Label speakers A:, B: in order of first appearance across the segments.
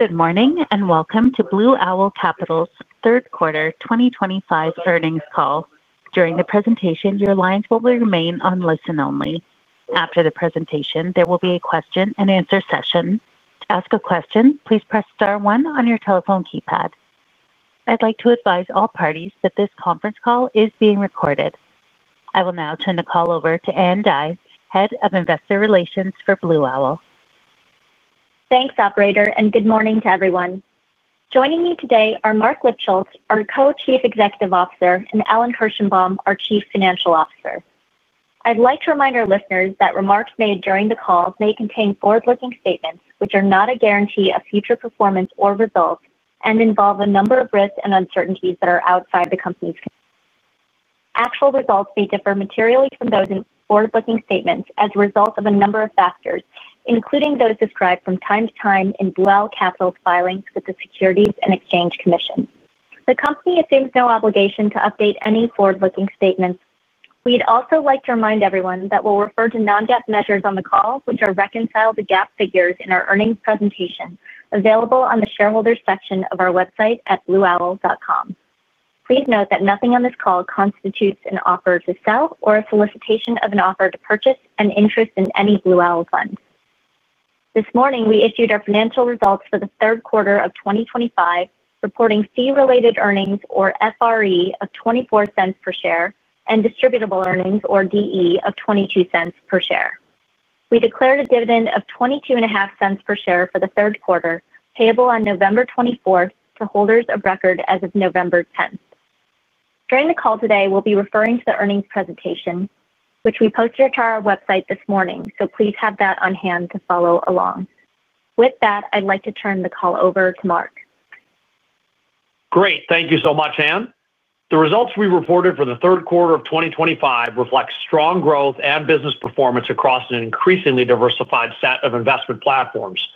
A: Good morning and Welcome to Blue Owl Capital's third quarter 2025 earnings call. During the presentation, your lines will remain on listen only. After the presentation, there will be a question and answer session. To ask a question, please press star one on your telephone keypad. I'd like to advise all parties that this conference call is being recorded. I will now turn the call over to Ann Dai, Head of Investor Relations for Blue Owl Capital.
B: Thanks, operator, and good morning to everyone. Joining me today are Marc Lipschultz, our Co-Chief Executive Officer, and Alan Kirshenbaum, our Chief Financial Officer. I'd like to remind our listeners that remarks made during the call may contain forward-looking statements, which are not a guarantee of future performance or results and involve a number of risks and uncertainties that are outside the Company's. Actual results may differ materially from those forward-looking statements as a result of a number of factors, including those described from time to time in Blue Owl Capital's filings with the Securities and Exchange Commission. The Company assumes no obligation to update any forward-looking statements. We'd also like to remind everyone that we'll refer to non-GAAP measures on the call, which are reconciled to GAAP figures in our earnings presentation available on the shareholders section of our website at blueowl.com. Please note that nothing on this call constitutes an offer to sell or a solicitation of an offer to purchase an interest in any Blue Owl fund. This morning we issued our financial results for the third quarter of 2025, reporting Fee-Related Earnings, or FRE, of $0.24 per share and Distributable Earnings, or DE, of $0.22 per share. We declared a dividend of $0.225 per share for the third quarter, payable on November 24th to holders of record as of November 10th. During the call today, we'll be referring to the earnings presentation, which we posted to our website this morning, so please have that on hand to follow along with that. I'd like to turn the call over to Marc.
C: Great. Thank you so much Ann. The results we reported for the third quarter of 2025 reflect strong growth and business performance across an increasingly diversified set of investment platforms.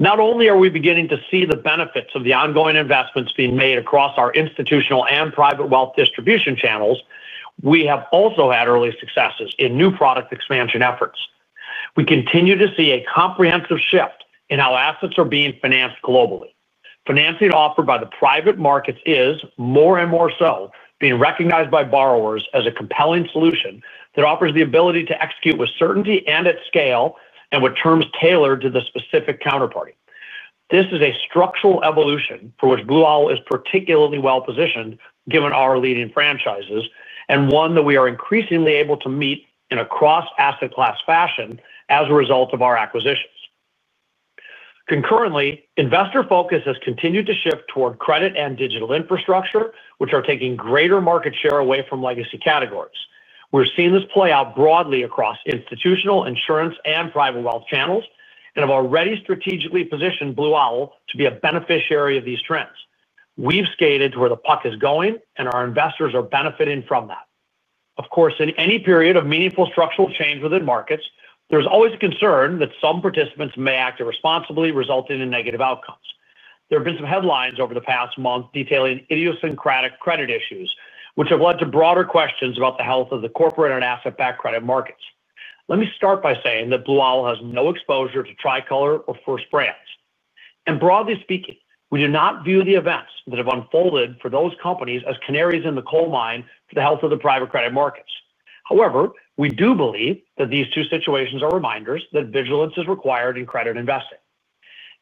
C: Not only are we beginning to see the benefits of the ongoing investments being made across our institutional and private wealth distribution channels, we have also had early successes in new product expansion. We continue to see a comprehensive shift in how assets are being financed globally. Financing offered by the private markets is more and more so being recognized by borrowers as a compelling solution that offers the ability to execute with certainty and at scale and with terms tailored to the specific counterparty. This is a structural evolution for which Blue Owl is particularly well positioned given our leading franchises and one that we are increasingly able to meet in a cross asset class fashion as a result of our acquisitions. Concurrently, investor focus has continued to shift toward credit and digital infrastructure, which are taking greater market share away from legacy categories. We're seeing this play out broadly across institutional, insurance and private wealth channels and have already strategically positioned Blue Owl to be a beneficiary of these trends. We've skated to where the puck is going and our investors are benefiting from that. Of course, in any period of meaningful structural change within markets, there's always a concern that some participants may act irresponsibly, resulting in negative outcomes. There have been some headlines over the past month detailing idiosyncratic credit issues which have led to broader questions about the health of the corporate and asset-backed credit markets. Let me start by saying that Blue Owl Capital has no exposure to Tricolor or First Brands, and broadly speaking, we do not view the events that have unfolded for those companies as canaries in the coal mine. The health of the private credit markets, however, we do believe that these two situations are reminders that vigilance is required in credit investing.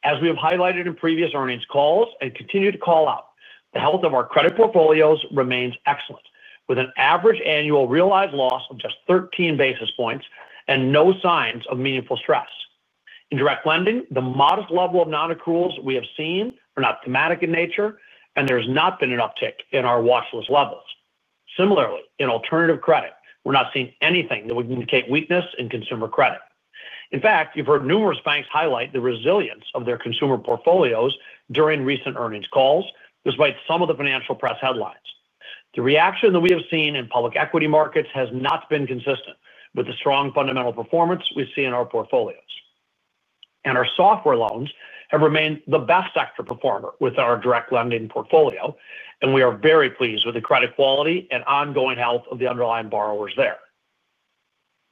C: As we have highlighted in previous earnings calls and continue to call out, the health of our credit portfolios remains excellent with an average annual realized loss of just 13 basis points and no signs of meaningful stress in direct lending. The modest level of non-accruals we have seen are not thematic in nature and there has not been an uptick in our watch list levels. Similarly, in alternative credit, we're not seeing anything that would indicate weakness in consumer credit. In fact, you've heard numerous banks highlight the resilience of their consumer portfolios during recent earnings calls. Despite some of the financial press headlines, the reaction that we have seen in public equity markets has not been consistent with the strong fundamental performance we see in our portfolios, and our software loans have remained the best sector performer with our direct lending portfolio. We are very pleased with the credit quality and ongoing health of the underlying borrowers there.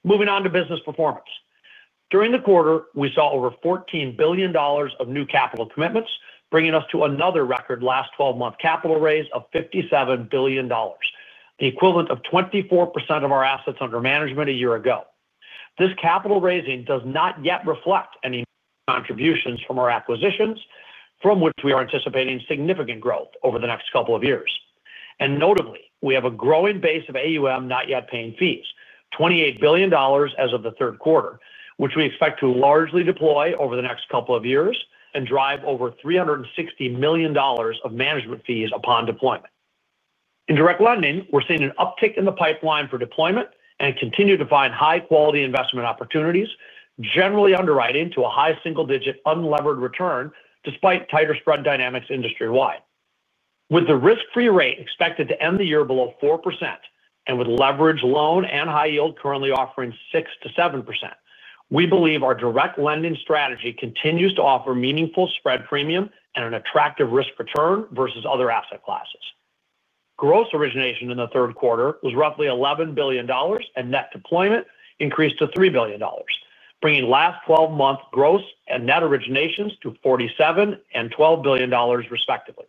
C: Moving on to business performance, during the quarter we saw over $1iv billion of new capital commitments, bringing us to another record last 12 month capital raise of $57 billion, the equivalent of 24% of our assets under management a year ago. This capital raising does not yet reflect any contributions from our acquisitions from which we are anticipating significant growth over the next couple of years. Notably, we have a growing base of AUM Not Yet Paying Fees, $28 billion as of the third quarter, which we expect to largely deploy over the next couple of years and drive over $360 million of management fees upon deployment. In direct lending, we're seeing an uptick in the pipeline for deployment and continue to find high quality investment opportunities, generally underwriting to a high single digit unlevered return despite tighter spread dynamics industry wide. With the risk free rate expected to end the year below 4% and with leverage loan and high yield currently offering 6%-7%, we believe our direct lending strategy continues to offer meaningful spread premium and an attractive risk return versus other asset classes. Gross origination in the third quarter was roughly $11 billion, and net deployment increased to $3 billion, bringing last 12 month gross and net originations to $4billion and $12 billion, respectively.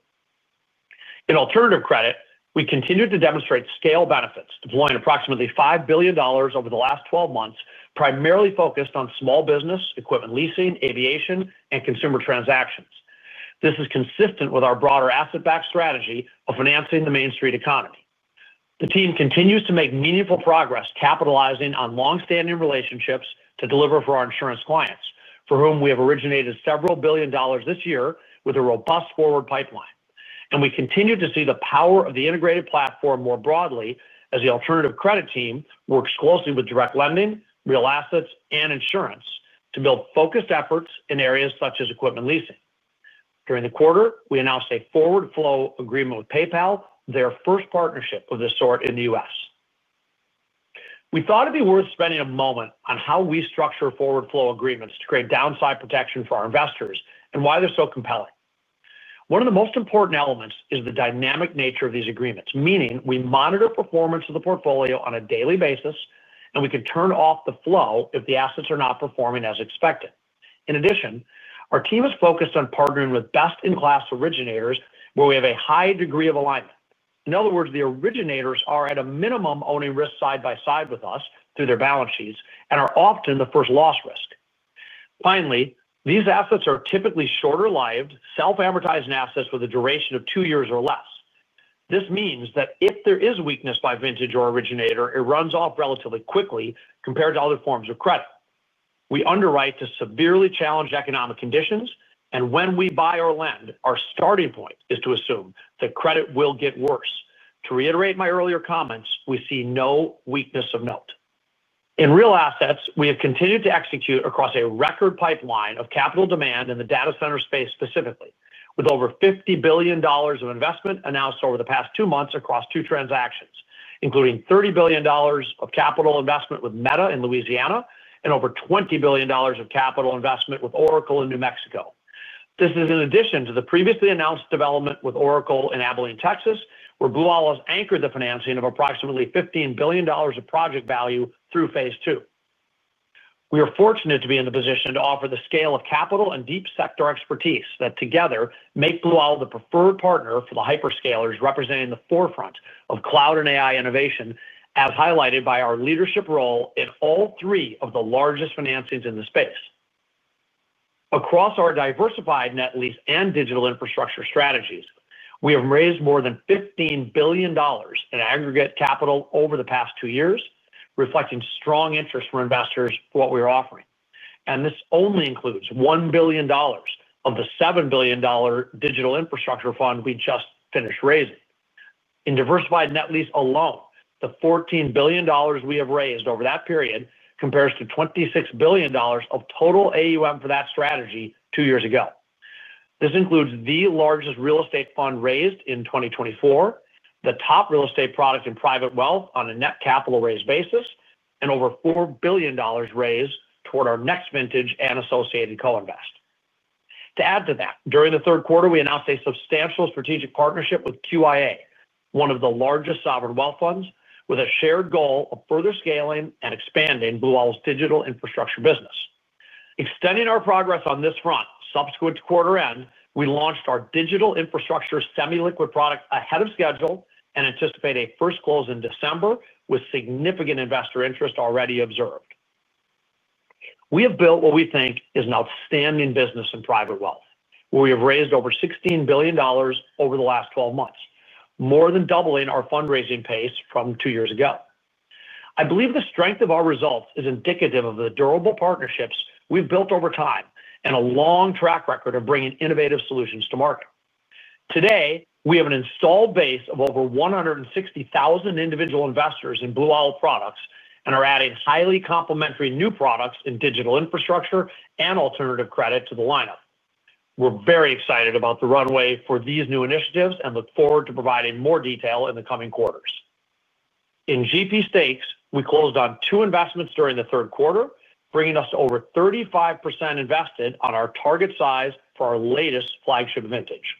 C: In alternative credit, we continue to demonstrate scale benefits, deploying approximately $5 billion over the last 12 months, primarily focused on small business equipment leasing, aviation, and consumer transactions. This is consistent with our broader asset backed strategy of financing the Main Street economy. The team continues to make meaningful progress, capitalizing on longstanding relationships to deliver for our insurance clients, for whom we have originated several billion dollars this year with a robust forward pipeline. We continue to see the power of the integrated platform more broadly as the alternative credit team works closely with direct lending, Real Assets, and insurance to build focused efforts in areas such as equipment leasing. During the quarter, we announced a forward flow agreement with PayPal, their first partnership of this sort in the U.S. We thought it'd be worth spending a moment on how we structure forward flow agreements to create downside protection for our investors and why they're so compelling. One of the most important elements is the dynamic nature of these agreements, meaning we monitor performance of the portfolio on a daily basis, and we can turn off the flow if the assets are not performing as expected. In addition, our team is focused on partnering with best-in-class originators. We have a high degree of alignment. In other words, the originators are at a minimum owning risk side by side with us through their balance sheets and are often the first loss risk. Finally, these assets are typically shorter-lived, self-amortizing assets with a duration of two years or less. This means that if there is weakness by vintage or originator, it runs off relatively quickly compared to other forms of credit we underwrite to severely challenge economic conditions, and when we buy or lend, our starting point is to assume that the credit will get worse. To reiterate my earlier comments, we see no weakness of note. In Real Assets we have continued to execute across a record pipeline of capital demand in the data center space, specifically with over $50 billion of investment announced over the past two months across two transactions, including $30 billion of capital investment with Meta in Louisiana and over $20 billion of capital investment with Oracle in New Mexico. This is in addition to the previously announced development with Oracle in Abilene, Texas, where Blue Owl has anchored the financing of approximately $15 billion of project value through phase II. We are fortunate to be in the position to offer the scale of capital and deep sector expertise that together make Blue Owl the preferred partner for the hyperscalers representing the forefront of cloud and AI innovation, as highlighted by our leadership role in all three of the largest financings in the space. Across our diversified net lease and digital infrastructure strategies, we have raised more than $15 billion in aggregate capital over the past two years, reflecting strong interest for investors in what we are offering, and this only includes $1 billion of the $7 billion Digital Infrastructure Fund we just finished raising in diversified net lease alone. The $14 billion we have raised over that period compares to $26 billion of total AUM for that strategy two years ago. This includes the largest real estate fund raised in 2024, the top real estate product in private wealth on a net capital raised basis, and over $4 billion raised toward our next vintage and associated co-invest. To add to that, during the third quarter we announced a substantial strategic partnership with QIA, one of the largest sovereign wealth funds, with a shared goal of further scaling and expanding Blue Owl's digital infrastructure business, extending our progress on this front. Subsequent to quarter end, we launched our Digital Infrastructure Fund semi-liquid product ahead of schedule and anticipate a first close in December. With significant investor interest already observed, we have built what we think is an outstanding business in private wealth where we have raised over $16 billion over the last 12 months, more than doubling our fundraising pace from two years ago. I believe the strength of our results is indicative of the durable partnerships we've built over time and a long track record of bringing innovative solutions to market. Today, we have an installed base of over 160,000 individual investors in Blue Owl products and are adding highly complementary new products in digital infrastructure and alternative credit to the lineup. We're very excited about the runway for these new initiatives and look forward to providing more detail in the coming quarters. In GP stakes, we closed on two investments during the third quarter, bringing us over 35% invested on our target size for our latest flagship vintage.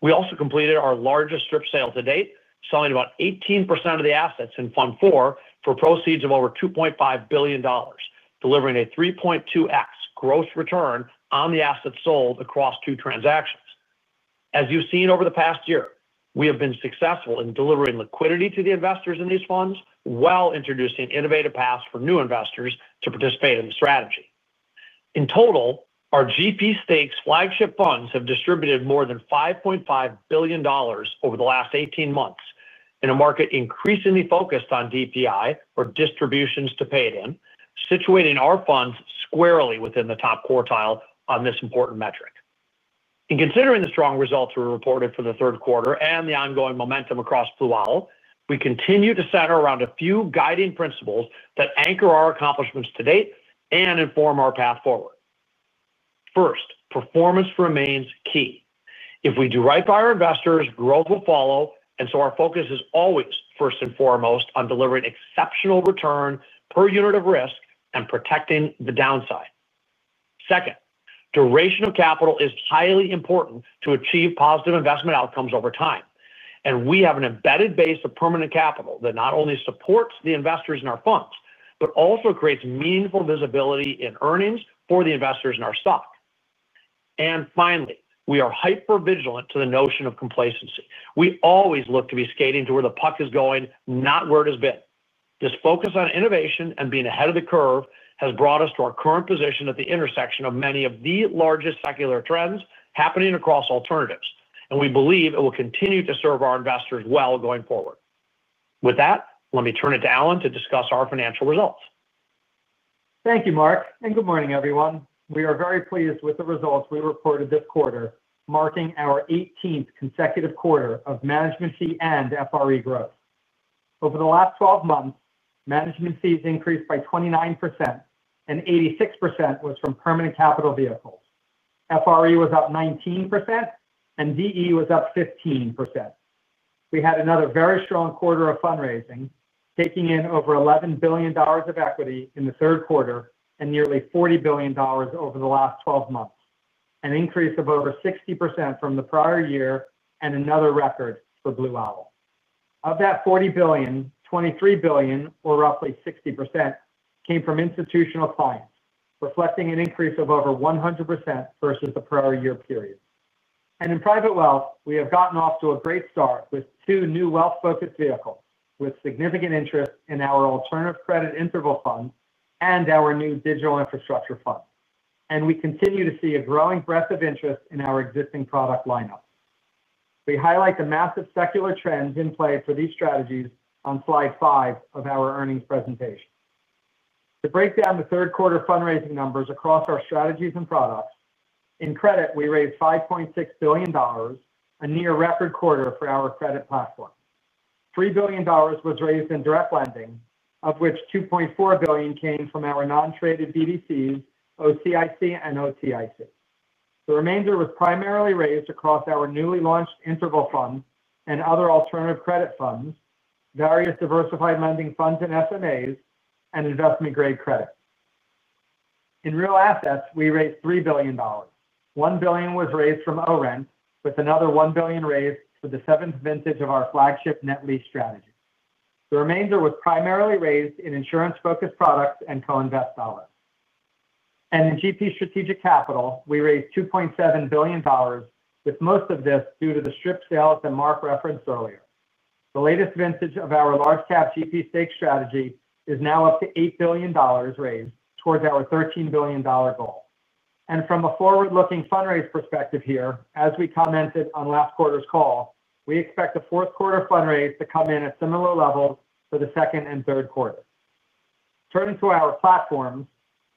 C: We also completed our largest strip sale to date, selling about 18% of the assets in Fund 4 for proceeds of over $2.5 billion, delivering a 3.2x gross return on the assets sold across two transactions. As you've seen over the past year, we have been successful in delivering liquidity to the investors in these funds while introducing innovative paths for new investors to participate in the strategy. In total, our GP stakes flagship funds have distributed more than $5.5 billion over the last 18 months in a market increasingly focused on DPI, or distributions to paid-in. In situating our funds squarely within the top quartile on this important metric, in considering the strong results we reported for the third quarter and the ongoing momentum across Blue Owl, we continue to center around a few guiding principles that anchor our accomplishments to date and inform our path forward. First, performance remains key. If we do right by our investors, growth will follow, and our focus is always first and foremost on delivering exceptional return per unit of risk and protecting the downside. Second, duration of capital is highly important to achieve positive investment outcomes over time, and we have an embedded base of permanent capital that not only supports the investors in our funds but also creates meaningful visibility in earnings for the investors in our stock. Finally, we are hyper vigilant to the notion of complacency. We always look to be skating to where the puck is going, not where it has been. This focus on innovation and being ahead of the curve has brought us to our current position at the intersection of many of the largest secular trends happening across alternatives, and we believe it will continue to serve our investors well going forward. With that, let me turn it to Alan to discuss our financial results.
D: Thank you, Marc, and good morning, everyone. We are very pleased with the results we reported this quarter, marking our 18th consecutive quarter of management fee and FRE growth. Over the last 12 months, management fees increased by 29%, and 86% was from permanent capital vehicles. FRE was up 19%, and DE was up 15%. We had another very strong quarter of fundraising, taking in over $11 billion of equity in the third quarter and nearly $40 billion over the last 12 months, an increase of over 60% from the prior year and another record for Blue Owl. Of that $40 billion, $23 billion, or roughly 60%, came from institutional clients, reflecting an increase of over 100% versus the prior year period. In private wealth, we have gotten off to a great start with two new wealth-focused vehicles with significant interest in our Alternative Credit Interval Fund and our new Digital Infrastructure Fund, and we continue to see a growing breadth of interest in our existing product lineup. We highlight the massive secular trends in play for these strategies on slide five of our earnings presentation. To break down the third quarter fundraising numbers across our strategies and products, in credit, we raised $5.6 billion, a near record quarter for our credit platform. $3 billion was raised in direct lending, of which $2.4 billion came from our non-traded BDCs, OCIC and OTIC. The remainder was primarily raised across our newly launched Integral Fund and other alternative credit funds, various diversified lending funds, SMAs, and investment-grade credit. In real assets, we raised $3 billion. $1 billion was raised from ORENT, with another $1 billion raised for the seventh vintage of our flagship net lease strategy. The remainder was primarily raised in insurance-focused products and co-invest dollars. In GP strategic capital, we raised $2.7 billion, with most of this due to the strip sales that Marc referenced earlier. The latest vintage of our large cap GP stake strategy is now up to $8 billion raised towards our $13 billion goal. From a forward-looking fundraise perspective here, as we commented on last quarter's call, we expect the fourth quarter fundraise to come in at similar levels to the second and third quarters. Turning to our platforms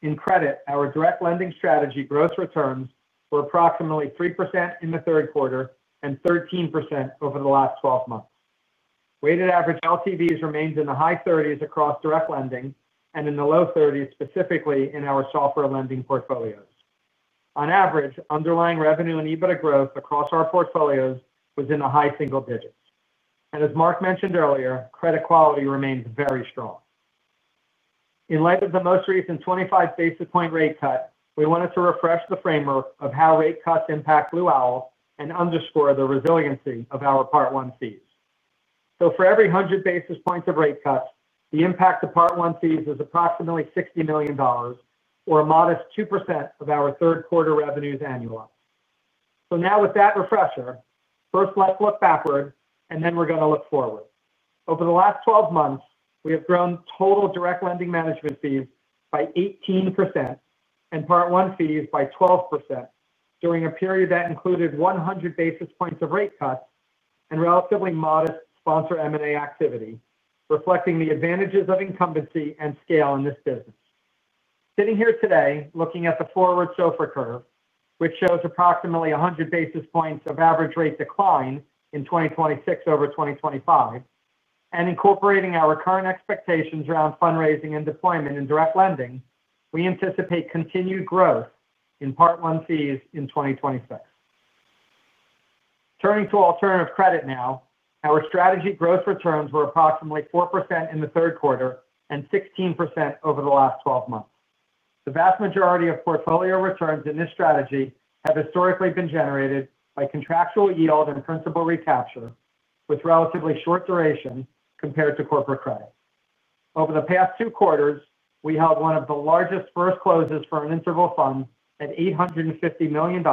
D: in credit, our direct lending strategy gross returns were approximately 3% in the third quarter and 13% over the last 12 months. Weighted average LTVs remain in the high 30s across direct lending and in the low 30s specifically in our software lending portfolios. On average, underlying revenue and EBITDA growth across our portfolios was in the high single digits and as Marc mentioned earlier, credit quality remains very strong. In light of the most recent 25 basis point rate cut, we wanted to refresh the framework of how rate cuts impact Blue Owl and underscore the resiliency of our Part I fees. For every 100 basis points of rate cuts, the impact the Part I fees see is approximately $60 million or a modest 2% of our third quarter revenues annualized. With that refresher, first let's look backward and then we're going to look forward. Over the last 12 months we have grown total direct lending management fees by 18% and Part I fees by 12% during a period that included 100 basis points of rate cuts. Relatively modest sponsor M&A activity reflecting the advantages of incumbency and scale in this business. Sitting here today, looking at the forward [SOFR] curve which shows approximately 100 basis points of average rate decline in 2026 over 2025 and incorporating our current expectations around fundraising and deployment in direct lending, we anticipate continued growth in Part I fees in 2026. Turning to alternative credit now, our strategy gross returns were approximately 4% in the third quarter and 16% over the last 12 months. The vast majority of portfolio returns in this strategy have historically been generated by contractual yield and principal recapture with relatively short duration compared to corporate credit. Over the past two quarters we held one of the largest first closes for an interval fund at $850 million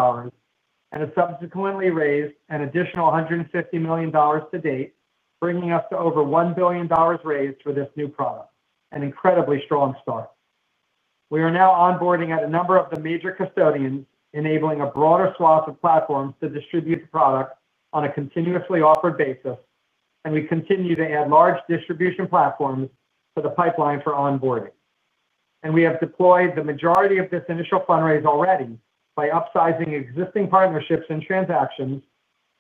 D: and have subsequently raised an additional $150 million to date, bringing us to over $1 billion raised for this new product, an incredibly strong start. We are now onboarding at a number of the major custodians, enabling a broader swath of platforms to distribute the product on a continuously offered basis and we continue to add large distribution platforms to the pipeline for onboarding. We have deployed the majority of this initial fundraise already by upsizing existing partnerships and transactions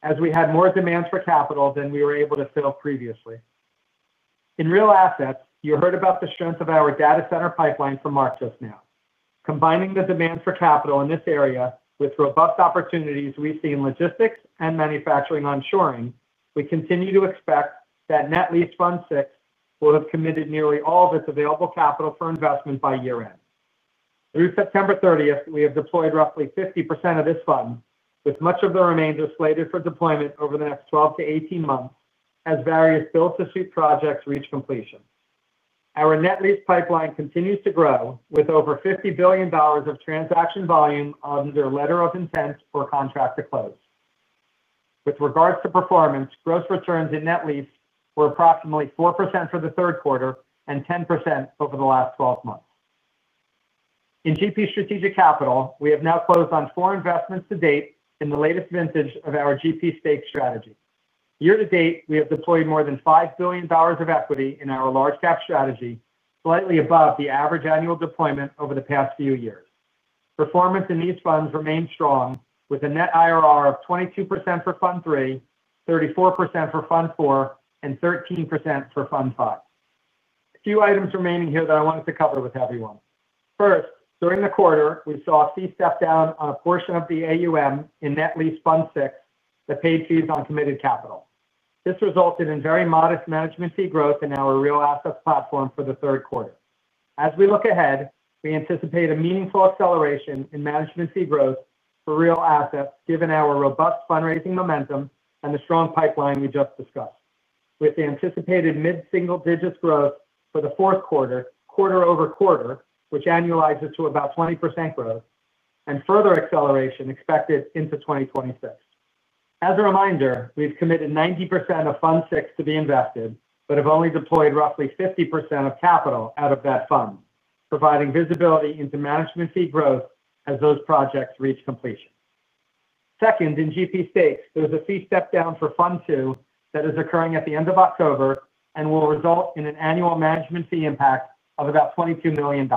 D: as we had more demand for capital than we were able to fill previously in real assets. You heard about the strength of our data center pipeline from Marc just now. Combining the demand for capital in this area with robust opportunities we see in logistics and manufacturing onshoring, we continue to expect that net lease Fund 4 will have committed nearly all of its available capital for investment by year end. Through September 30th, we have deployed roughly 50% of this fund, with much of the remainder slated for deployment over the next 12 moths-18 months as various build-to-suit projects reach completion. Our net lease pipeline continues to grow with over $50 billion of transaction volume under letter of intent for a contract to close. With regards to performance, gross returns in net lease were approximately 4% for the third quarter and 10% over the last 12 months. In GP Strategic Capital, we have now closed on four investments to date in the latest vintage of our GP stakes strategy. Year to date, we have deployed more than $5 billion of equity in our large cap strategy, slightly above the average annual deployment over the past few years. Performance in these funds remains strong with a net IRR of 22% for Fund 3, 34% for Fund 4, and 13% for Fund V. A few items remaining here that I wanted to cover with everyone. First, during the quarter we saw a fee step down on a portion of the AUM in net lease Fund VI that paid fees on committed capital. This resulted in very modest management fee growth in our Real Assets platform for the third quarter. As we look ahead, we anticipate a meaningful acceleration in management fee growth for real assets given our robust fundraising momentum and the strong pipeline we just discussed, with the anticipated mid single digits growth for the fourth quarter quarter-over-quarter, which annualizes to about 20% growth and further acceleration expected into 2026. As a reminder, we've committed 90% of Fund VI to be invested, but have only deployed roughly 50% of capital out of that fund, providing visibility into management fee growth as those projects reach completion. Second, in GP stakes, there's a fee step down for Fund 2 that is occurring at the end of October and will result in an annual management fee impact of about $22 million.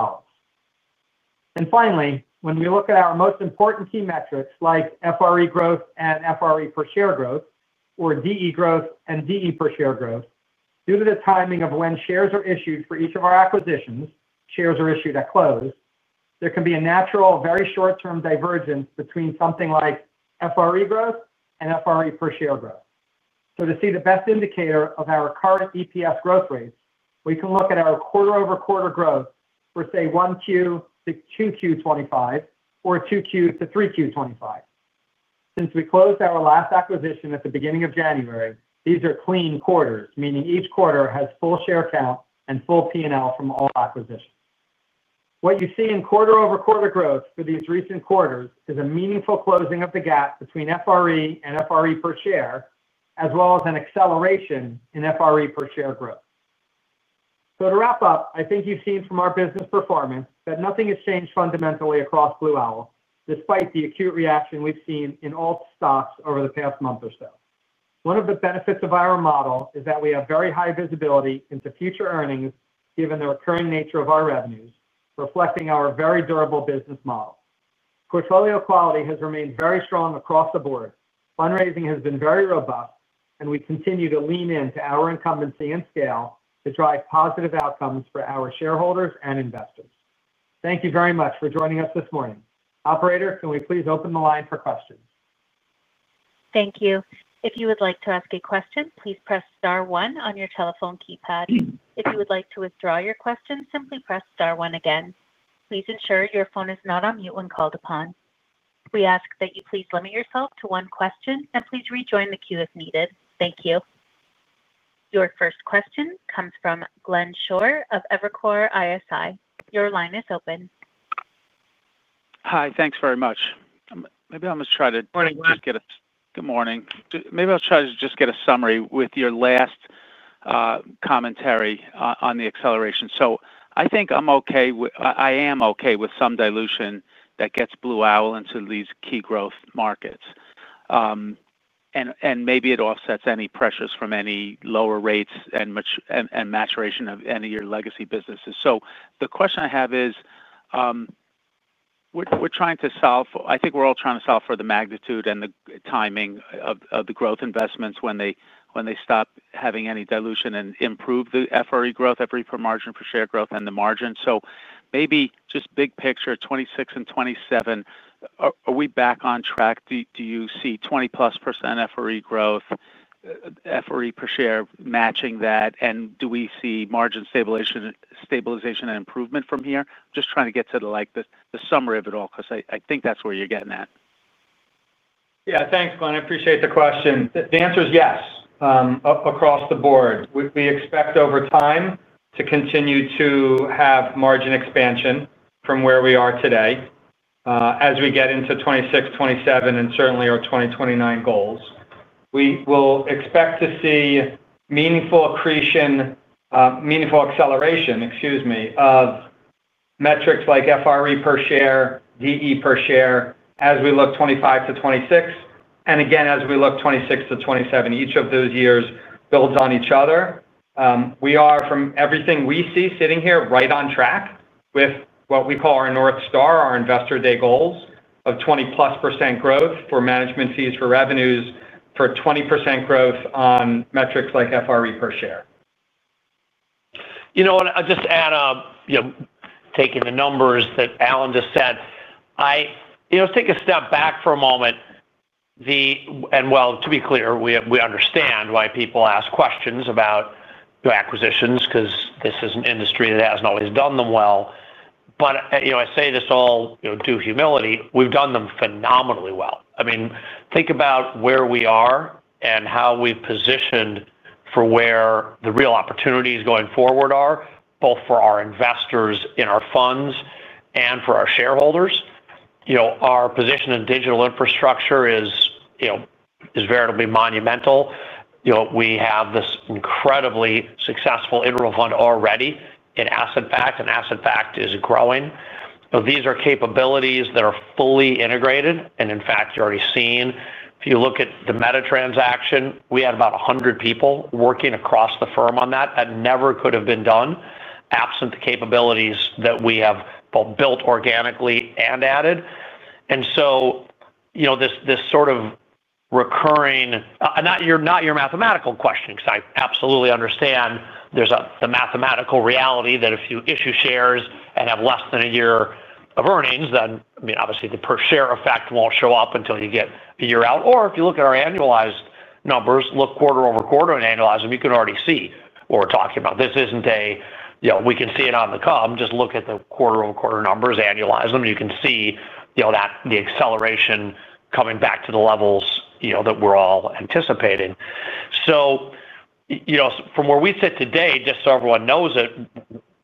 D: Finally, when we look at our most important key metrics like FRE growth and FRE per share growth or DE growth and DE per share growth, due to the timing of when shares are issued for each of our acquisitions—shares are issued at close—there can be a natural, very short-term divergence between something like FRE growth and FRE per share growth. To see the best indicator of our current EPS growth rates, we can look at our quarter-over-quarter growth for, say, Q1 to Q2 2025 or Q2 to Q3 2025, since we closed our last acquisition at the beginning of January. These are clean quarters, meaning each quarter has full share count and full P&L from all acquisitions. What you see in quarter-over-quarter growth for these recent quarters is a meaningful closing of the gap between FRE and FRE per share, as well as an acceleration in FRE per share growth. To wrap up, I think you've seen from our business performance that nothing has changed fundamentally across Blue Owl despite the acute reaction we've seen in all stocks over the past month or so. One of the benefits of our model is that we have very high visibility into future earnings. Given the recurring nature of our revenues, reflecting our very durable business model, portfolio quality has remained very strong across the board, fundraising has been very robust, and we continue to lean into our incumbency and scale to drive positive outcomes for our shareholders and investors. Thank you very much for joining us this morning. Operator, can we please open the line for questions?
A: Thank you. If you would like to ask a question, please press star one on your telephone keypad. If you would like to withdraw your question, simply press star one again. Please ensure your phone is not on mute when called upon. We ask that you please limit yourself to one question and please rejoin the queue if needed. Thank you. Your first question comes from Glenn Schorr of Evercore ISI. Your line is open.
E: Hi, thanks very much. Maybe I'll try to just get a summary with your last commentary on the acceleration. I am okay with some dilution that gets Blue Owl into these key growth markets and maybe it offsets any pressures from any lower rates and maturation of any of your legacy businesses. The question I have is we're trying to solve, I think we're all trying to solve for the magnitude and the timing of the growth investments when they stop having any dilution and improve the FRE growth, FRE per share growth and the margin. Maybe just big picture 2026 and 2027, are we back on track? Do you see 20+% FRE growth, FRE per share matching that? Do we see margin stabilization and improvement from here? Just trying to get to the summary of it all because I think that's where you're getting at.
D: Yeah, thanks Glenn. I appreciate the question. The answer is yes across the board. We expect over time to continue to have margin expansion from where we are today. As we get into 2026, 2027 and certainly our 2029 goals, we will expect to see meaningful accretion, meaningful acceleration, excuse me, of metrics like FRE per share, DE per share as we look 2025 to 2026 and again as we look 2026 to 2027. Each of those years builds on each other. We are, from everything we see sitting here, right on track with what we call our North Star, our Investor Day goals of 20+% growth for management fees, for revenues, for 20% growth on metrics like FRE per share.
C: You know what, I'll just add, taking the numbers that Alan just said, let's take a step back for a moment. To be clear, we understand why people ask questions about acquisitions because this is an industry that hasn't always done them well. I say this all due humility. We've done them phenomenally well. I mean, think about where we are and how we positioned for where the real opportunities going forward are both for our investors in our funds and for our shareholders. Our position in digital infrastructure is, you know, is veritably monumental. We have this incredibly successful intravan already in asset backed and asset fact is growing. These are capabilities that are fully integrated. In fact, you're already seeing, if you look at the Meta transaction, we had about 100 people working across the firm on that. That never could have been done absent the capabilities that we have both built organically and added. This sort of recurring, not your mathematical question, because I absolutely understand there's the mathematical reality that if you issue shares and have less than a year of earnings, then obviously the per share effect won't show up until you get a year out. If you look at our annualized numbers, look quarter-over-quarter and annualize them, you can already see what we're talking about. This isn't a, you know, we can see it on the come, just look at the quarter on quarter numbers, annualize them. You can see that the acceleration coming back to the levels that we're all anticipating. From where we sit today, just so everyone knows it,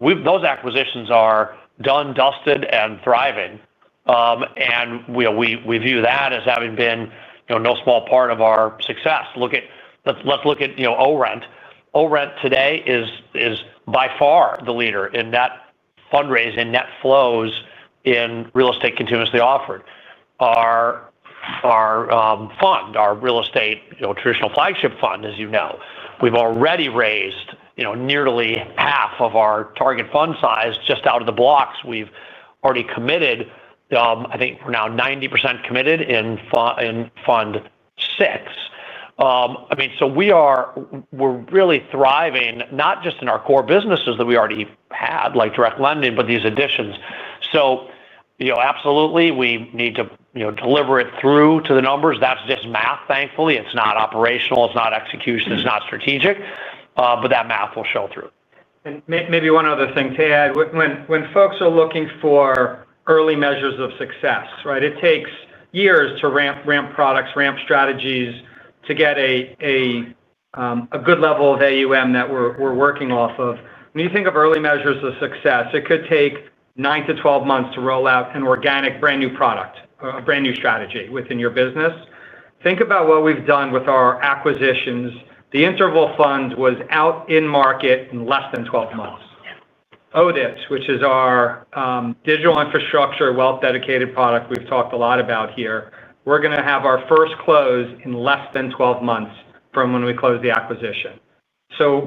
C: those acquisitions are done, dusted and thriving. We view that as having been no small part of our success. Look at, let's look at, you know, rent or rent today is by far the leader in that fundraising. Net flows in Real Estate continuously offered are our fund, our real estate traditional flagship fund. As you know, we've already raised nearly half of our target fund size just out of the blocks we've already committed. I think we're now 90% committed in Fund VI. I mean, we are, we're really thriving not just in our core businesses that we already had like direct lending, but these additions. Absolutely, we need to deliver it through to the numbers. That's just math. Thankfully, it's not operational, it's not execution, it's not strategic, but that math will show through.
D: Maybe one other thing to add, when folks are looking for early measures of success, it takes years to ramp products, ramp strategies to get a good level of AUM that we're working off of. When you think of early measures of success, it could take nine to 12 months to roll out an organic brand new product, a brand new strategy within your business. Think about what we've done with our acquisitions. The Alternative Credit Interval Fund was out in market. In less than 12 months. ODIPS, which is our digital infrastructure wealth dedicated product we've talked a lot about here, we're going to have our first close in less than 12 months from when we close the acquisition.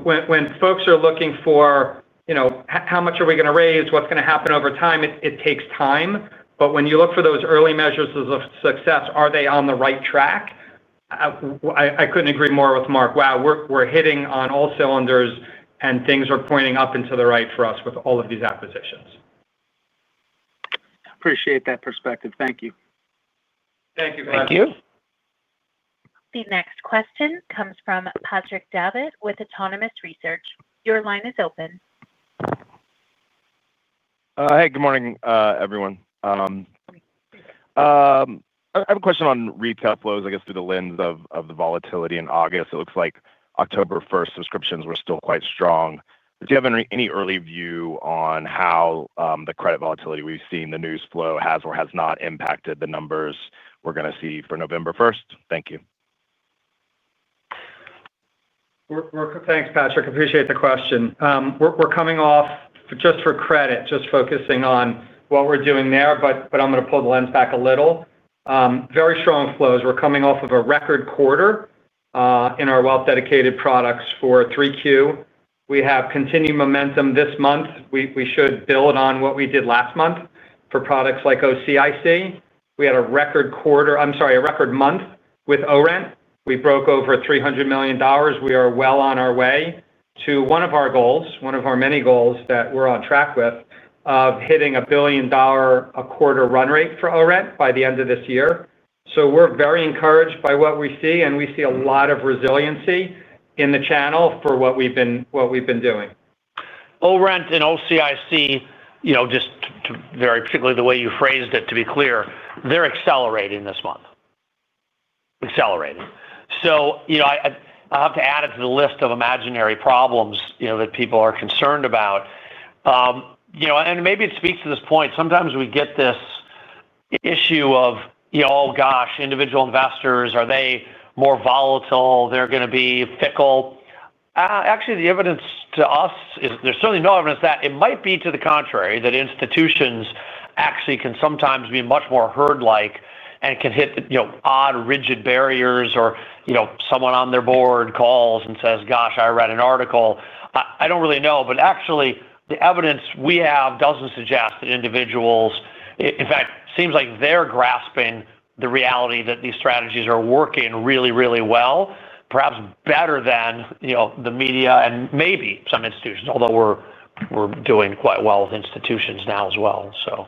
D: When folks are looking for, you know, how much are we going to raise, what's going to happen over time? It takes time. When you look for those early measures of success, are they on the right track? I couldn't agree more with Marc. Wow, we're hitting on all cylinders and things are pointing up into the right for us with all of these acquisitions.
E: Appreciate that perspective. Thank you,
D: thank you,
C: thank you.
A: The next question comes from Patrick Davitt with Autonomous Research. Your line is open.
F: Hey, good morning everyone. I have a question on retail flows. I guess through the lens of the volatility in August, it looks like October 1 subscriptions were still quite strong. Do you have any early view on how the credit volatility we've seen, the news flow, has or has not impacted the numbers we're going to see for November 1st? Thank you.
D: Thanks, Patrick. Appreciate the question. We're coming off, just for credit, just focusing on what we're doing there. I'm going to pull the lens back a little. Very strong flows. We're coming off of a record quarter in our wealth dedicated products for 3Q. We have continued momentum this month. We should build on what we did last month for products like OCIC. We had a record month with ORENT. We broke over $300 million. We are well on our way to one of our goals, one of our many goals that we're on track with, of hitting a $1 billion a quarter run rate for ORENT by the end of this year. We're very encouraged by what we see, and we see a lot of resiliency in the channel for what we've.
C: Been doing ORENT and OCIC, just very particularly the way you phrased it, to be clear, they're accelerating this month, accelerating. I have to add it to the list of imaginary problems that people are concerned about, and maybe it speaks to this point. Sometimes we get this issue of, oh gosh, individual investors, are they more volatile? They're going to be fickle. Actually, the evidence to us is there's certainly no evidence that it might be to the contrary, that institutions actually can sometimes be much more herd-like and can hit odd rigid barriers, or someone on their board calls and says, gosh, I read an article, I don't really know. Actually, the evidence we have doesn't suggest that individuals, in fact, seems like they're grasping the reality that these strategies are working really, really well, perhaps better than the media and maybe some institutions. Although we're doing quite well with institutions now as well. So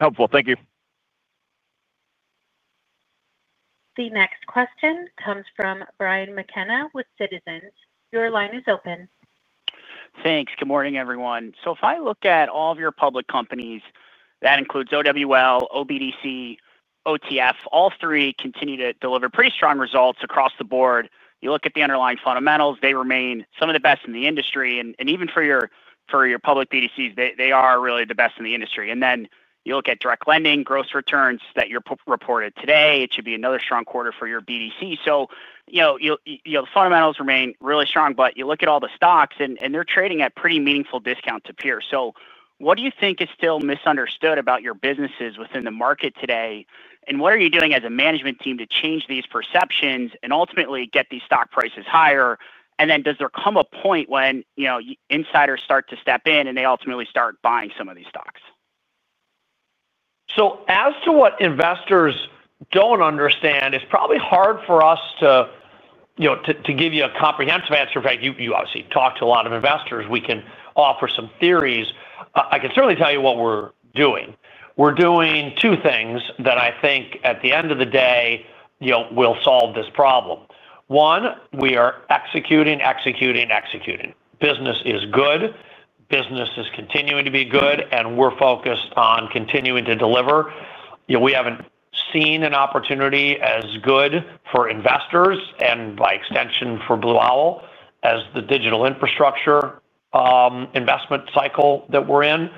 F: Helpful. Thank you.
A: The next question comes from Brian Mckenna with Citizens. Your line is open.
G: Thanks. Good morning, everyone. If I look at all of your public companies, that includes OWL, OBDC, OTF, all three continue to deliver pretty strong results across the board. You look at the underlying fundamentals, they remain some of the best in the industry. Even for your public BDCs, they are really the best in the industry. You look at direct lending, gross returns that you reported today, it should be another strong quarter for your BDC. The fundamentals remain really strong, but you look at all the stocks and they're trading at pretty meaningful discount to peer. What do you think is still misunderstood about your businesses within the market today? What are you doing as a management team to change these perceptions and ultimately get these stock prices higher? Does there come a point when insiders start to step in and they ultimately start buying some of these stocks?
C: As to what investors don't understand, it's probably hard for us to give you a comprehensive answer. You obviously talk to a lot of investors. We can offer some theories. I can certainly tell you what we're doing. We're doing two things that I think at the end of the day will solve this problem. One, we are executing, executing, executing. Business is good. Business is continuing to be good, and we're focused on continuing to deliver. We haven't seen an opportunity as good for investors and by extension for Blue Owl as the digital infrastructure investment cycle that we're in.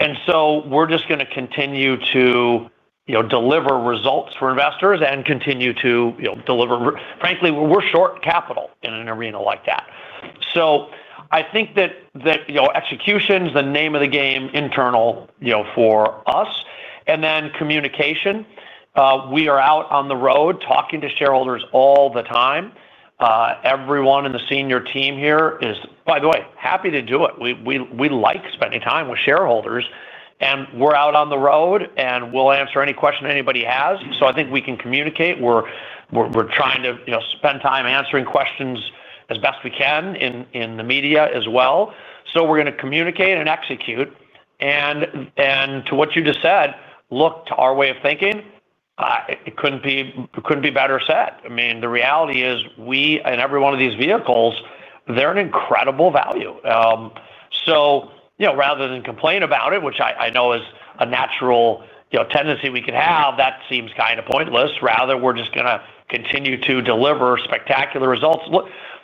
C: We're just going to continue to deliver results for investors and continue to deliver. Frankly, we're short capital in an arena like that. I think that execution is the name of the game. Internal, for us and then communication. We are out on the road talking to shareholders all the time. Everyone in the senior team here is, by the way, happy to do it. We like spending time with shareholders and we're out on the road and we'll answer any question anybody has. I think we can communicate. We're trying to spend time answering questions as best we can in the media as well. We're going to communicate and execute. To what you just said, look, to our way of thinking, it couldn't be better said. The reality is we and every one of these vehicles, they're an incredible value. Rather than complain about it, which I know is a natural tendency we could have, that seems kind of pointless. Rather, we're just going to continue to deliver spectacular results.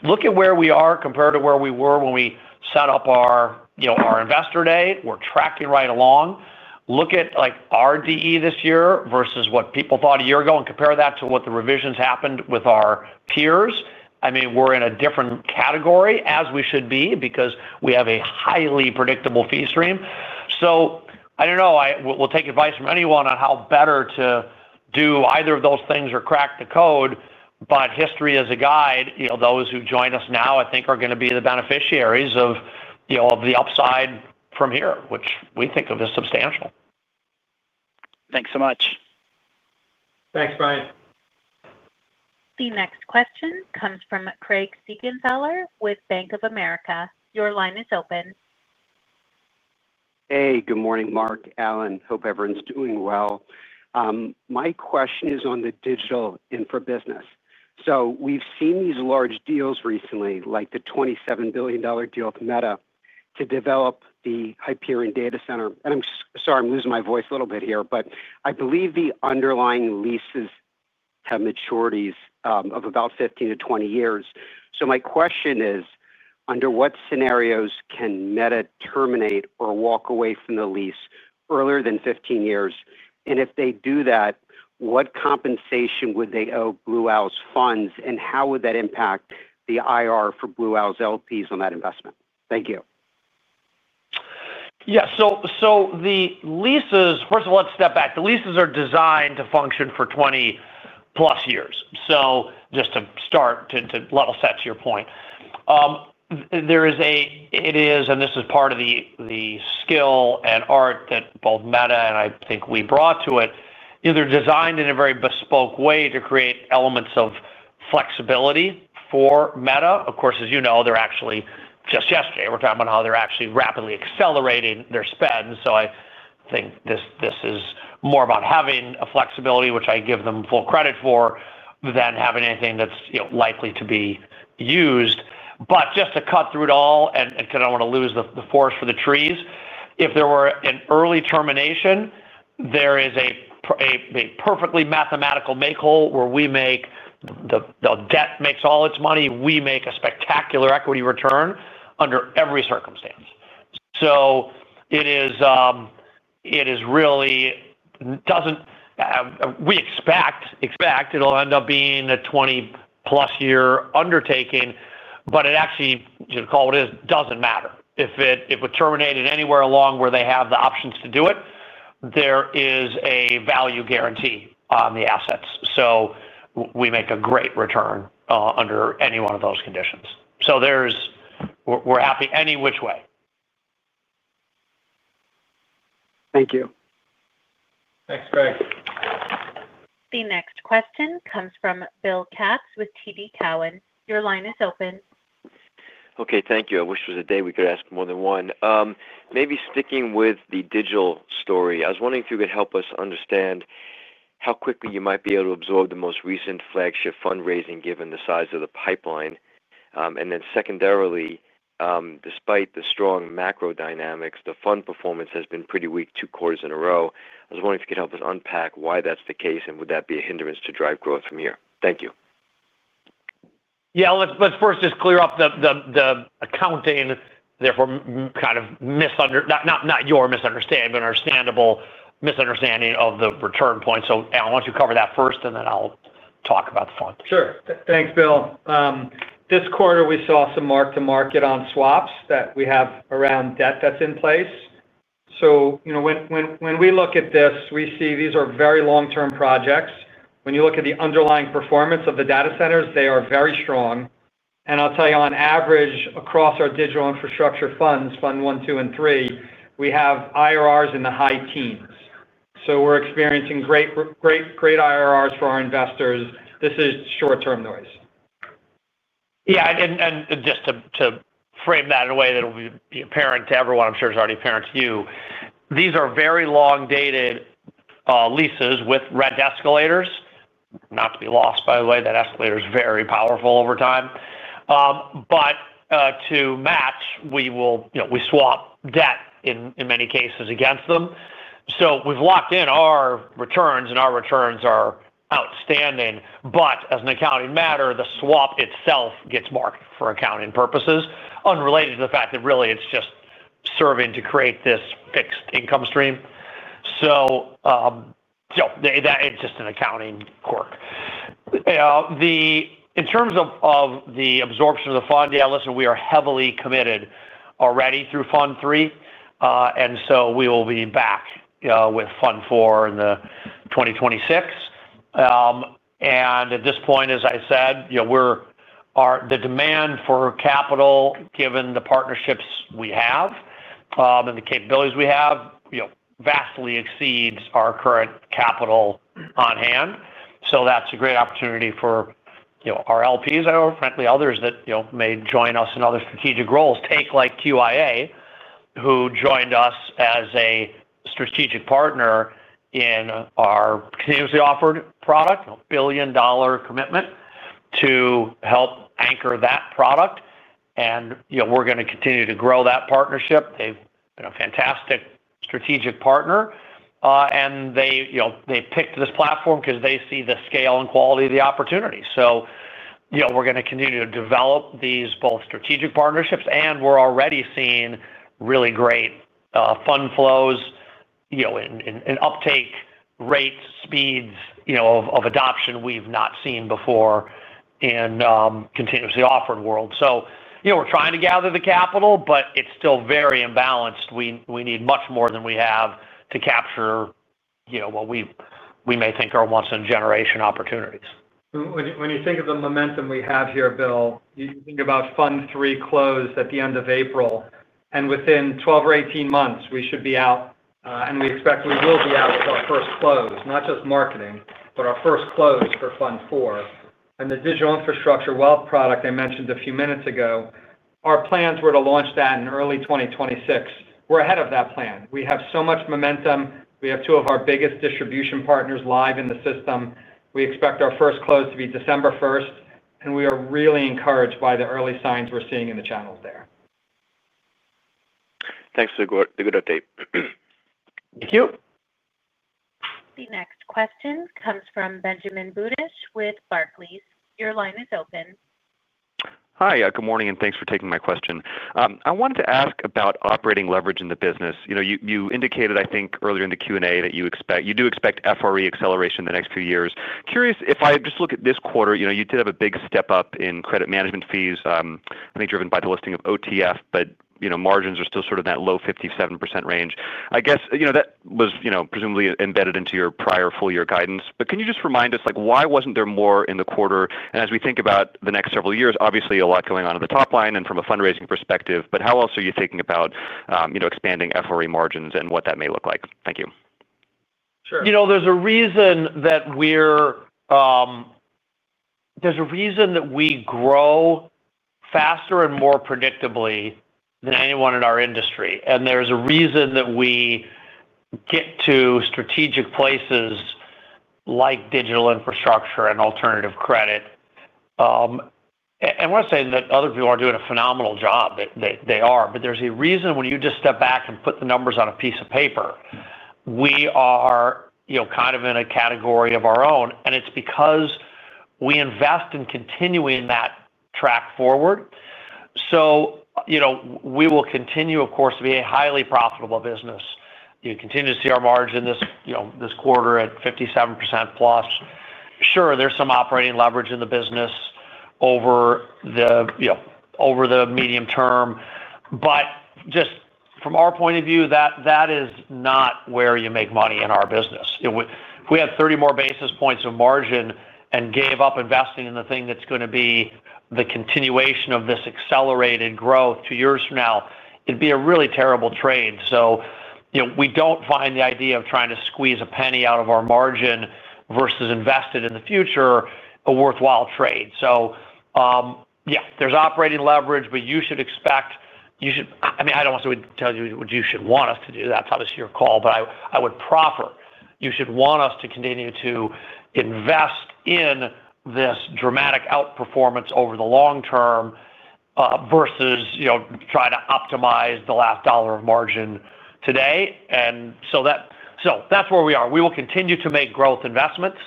C: Look at where we are compared to where we were when we set up our investor day. We're tracking right along. Look at like RD this year versus what people thought a year ago and compare that to what the revisions happened with our peers. We're in a different category, as we should be because we have a highly predictable fee stream. I don't know I will take advice from anyone on how better to do either of those things or crack the code to. If history is a guide, those who join us now I think are going to be the beneficiaries of the upside from here, which we think of as substantial.
G: Thanks so much.
C: Thanks, Brian.
A: The next question comes from Craig Siegenthaler with Bank of America. Your line is open.
H: Hey, good morning, Marc. Alan. Hope everyone's doing well. My question is on the digital infra business. We've seen these large deals recently like the $27 billion deal with Meta to develop the Hyperion data center. I'm sorry, I'm losing my voice a little bit here, but I believe the underlying leases have maturities of about. 15 years-20 years. My question is under what scenarios can Meta terminate or walk away from the lease earlier than 15 years, and if they do that, what compensation would they owe Blue Owl's funds, and how would that impact the IR for Blue Owl's LPs on that investment? Thank you.
C: Yes. The leases, first of all, let's step back. The leases are designed to function for 20+ years. Just to start to level set to your point, there is a—this is part of the skill and art that both Meta and I think we brought to it. They're designed in a very bespoke way to create elements of flexibility for Meta. Of course, as you know, actually just yesterday we were talking about how they're rapidly accelerating their spend. I think this is more about having a flexibility, which I give them full credit for, than having anything that's likely to be used. Just to cut through it all, if there were an early termination, there is a perfectly mathematical make-whole where we make the debt, makes all its money. We make a spectacular equity return under every circumstance. We expect it'll end up being a 20+ year undertaking, but it actually does not matter if it terminated anywhere along where they have the options to do it. There is a value guarantee on the assets, so we make a great return under any one of those conditions. We're happy any which way.
H: Thank you.
D: Thanks, Greg.
A: The next question comes from Bill Katz with TD Cowen. Your line is open.
I: Okay, thank you. I wish there was a day we could ask more than one. Maybe sticking with the digital story, I was wondering if you could help us understand how quickly you might be able to absorb the most recent flagship fundraising given the size of the pipeline, and then secondarily, despite the strong macro dynamics, the fund performance has been pretty weak two quarters in a row. I was wondering if you could help us unpack why that's the case and would that be a hindrance to drive growth from here? Thank you.
C: Yeah, let's first just clear up the accounting, therefore, kind of misunderstanding—not your misunderstanding, but understandable misunderstanding—of the return point. Alan, why don't you cover that first, and then I'll talk about the front
D: Sure Thanks, Bill. This quarter, we saw some mark to market on swaps that we have around debt that's in place. When we look at this, we see these are very long-term projects. When you look at the underlying performance of the data centers, they are very strong. I'll tell you, on average across our digital infrastructure funds, Fund 1, 2, and 3, we have IRRs in the high teens. We're experiencing great, great, great IRRs for our investors. This is short-term noise.
C: Yeah. Just to frame that in a way that will be apparent to everyone, I'm sure is already apparent to you. These are very long-dated leases with red escalators. Not to be lost, by the way, that escalators are very powerful over time. To match, we will, you know, we swap debt in many cases against them. We've locked in our returns and our returns are outstanding. As an accounting matter, the swap itself gets marked for accounting purposes unrelated to the fact that really it's just serving to create this fixed income stream, so that it's just an accounting quirk in terms of the absorption of the fund. Yeah, listen, we are heavily committed already through Fund 3 and we will be back with Fund VI in 2026. At this point, as I said, the demand for capital given the partnerships we have and the capabilities we have vastly exceeds our current capital on hand. That's a great opportunity for our LPs or frankly others that may join us in other strategic roles. Take like QIA who joined us as a strategic partner in our continuously offered product, $1 billion commitment to help anchor that product, and we're going to continue to grow that partnership. They've been a fantastic strategic partner and they picked this platform because they see the scale and quality of the opportunity. We're going to continue to develop these both strategic partnerships and we're already seeing really great fund flows and uptake rate speeds of adoption we've not seen before in the continuously offered world. We're trying to gather the capital, but it's still very imbalanced. We need much more than we have to capture what we may think are once in a generation opportunities.
D: When you think of the momentum we have here, Bill, think about Fund 3 close at the end of April and within 12 months or 18 months we should be out. We expect we will be out with our first close, not just marketing, but our first close for Fund 4 and the Digital Infrastructure Fund wealth product. I mentioned a few minutes ago, our plans were to launch that in early 2026. We're ahead of that plan. We have so much momentum. We have two of our biggest distribution partners live in the system. We expect our first close to be December 1. We are really encouraged by the early signs we're seeing in the channels there.
I: Thanks for the good update.
C: Thank you.
A: The next question comes from Benjamin Budish with Barclays. Your line is open.
J: Hi, good morning and thanks for taking my question. I wanted to ask about operating leverage in the business. You indicated, I think earlier in the Q&A that you do expect FRE acceleration in the next few years. Curious. If I just look at this quarter, you did have a big step up in credit management fees, I think driven by the listing of OTF. Margins are still sort of that low 57% range. I guess that was presumably embedded into your prior full year guidance. Can you just remind us why wasn't there more in the quarter as we think about the next several years? Obviously a lot going on in the top line and from a fundraising perspective, how else are you thinking about expanding FRE margins and what that may look like? Thank you.
C: There's a reason that we grow faster and more predictably than anyone in our industry. There's a reason that we get to strategic places like digital infrastructure and alternative credit. We're saying that other people are doing a phenomenal job. They are. There's a reason, when you just step back and put the numbers on a piece of paper, we are kind of in a category of our own. It's because we invest in continuing that track forward. We will continue, of course, to be a highly profitable business. You continue to see our margin this quarter at 57% +. Sure, there's some operating leverage in the business over the medium term, but just from our point of view, that is not where you make money in our business. If we had 30 more basis points of margin and gave up investing in the thing that's going to be the continuation of this accelerated growth two years from now, it'd be a really terrible trade. We don't find the idea of trying to squeeze a penny out of our margin versus invested in the future a worthwhile trade. Yeah, there's operating leverage, but you should expect. You should. I mean, I don't want to tell you what you should want us to do. That's obviously your call. I would proffer you should want us to continue to invest in this dramatic outperformance over the long term versus try to optimize the last dollar of margin today. That's where we are. We will continue to make growth investments.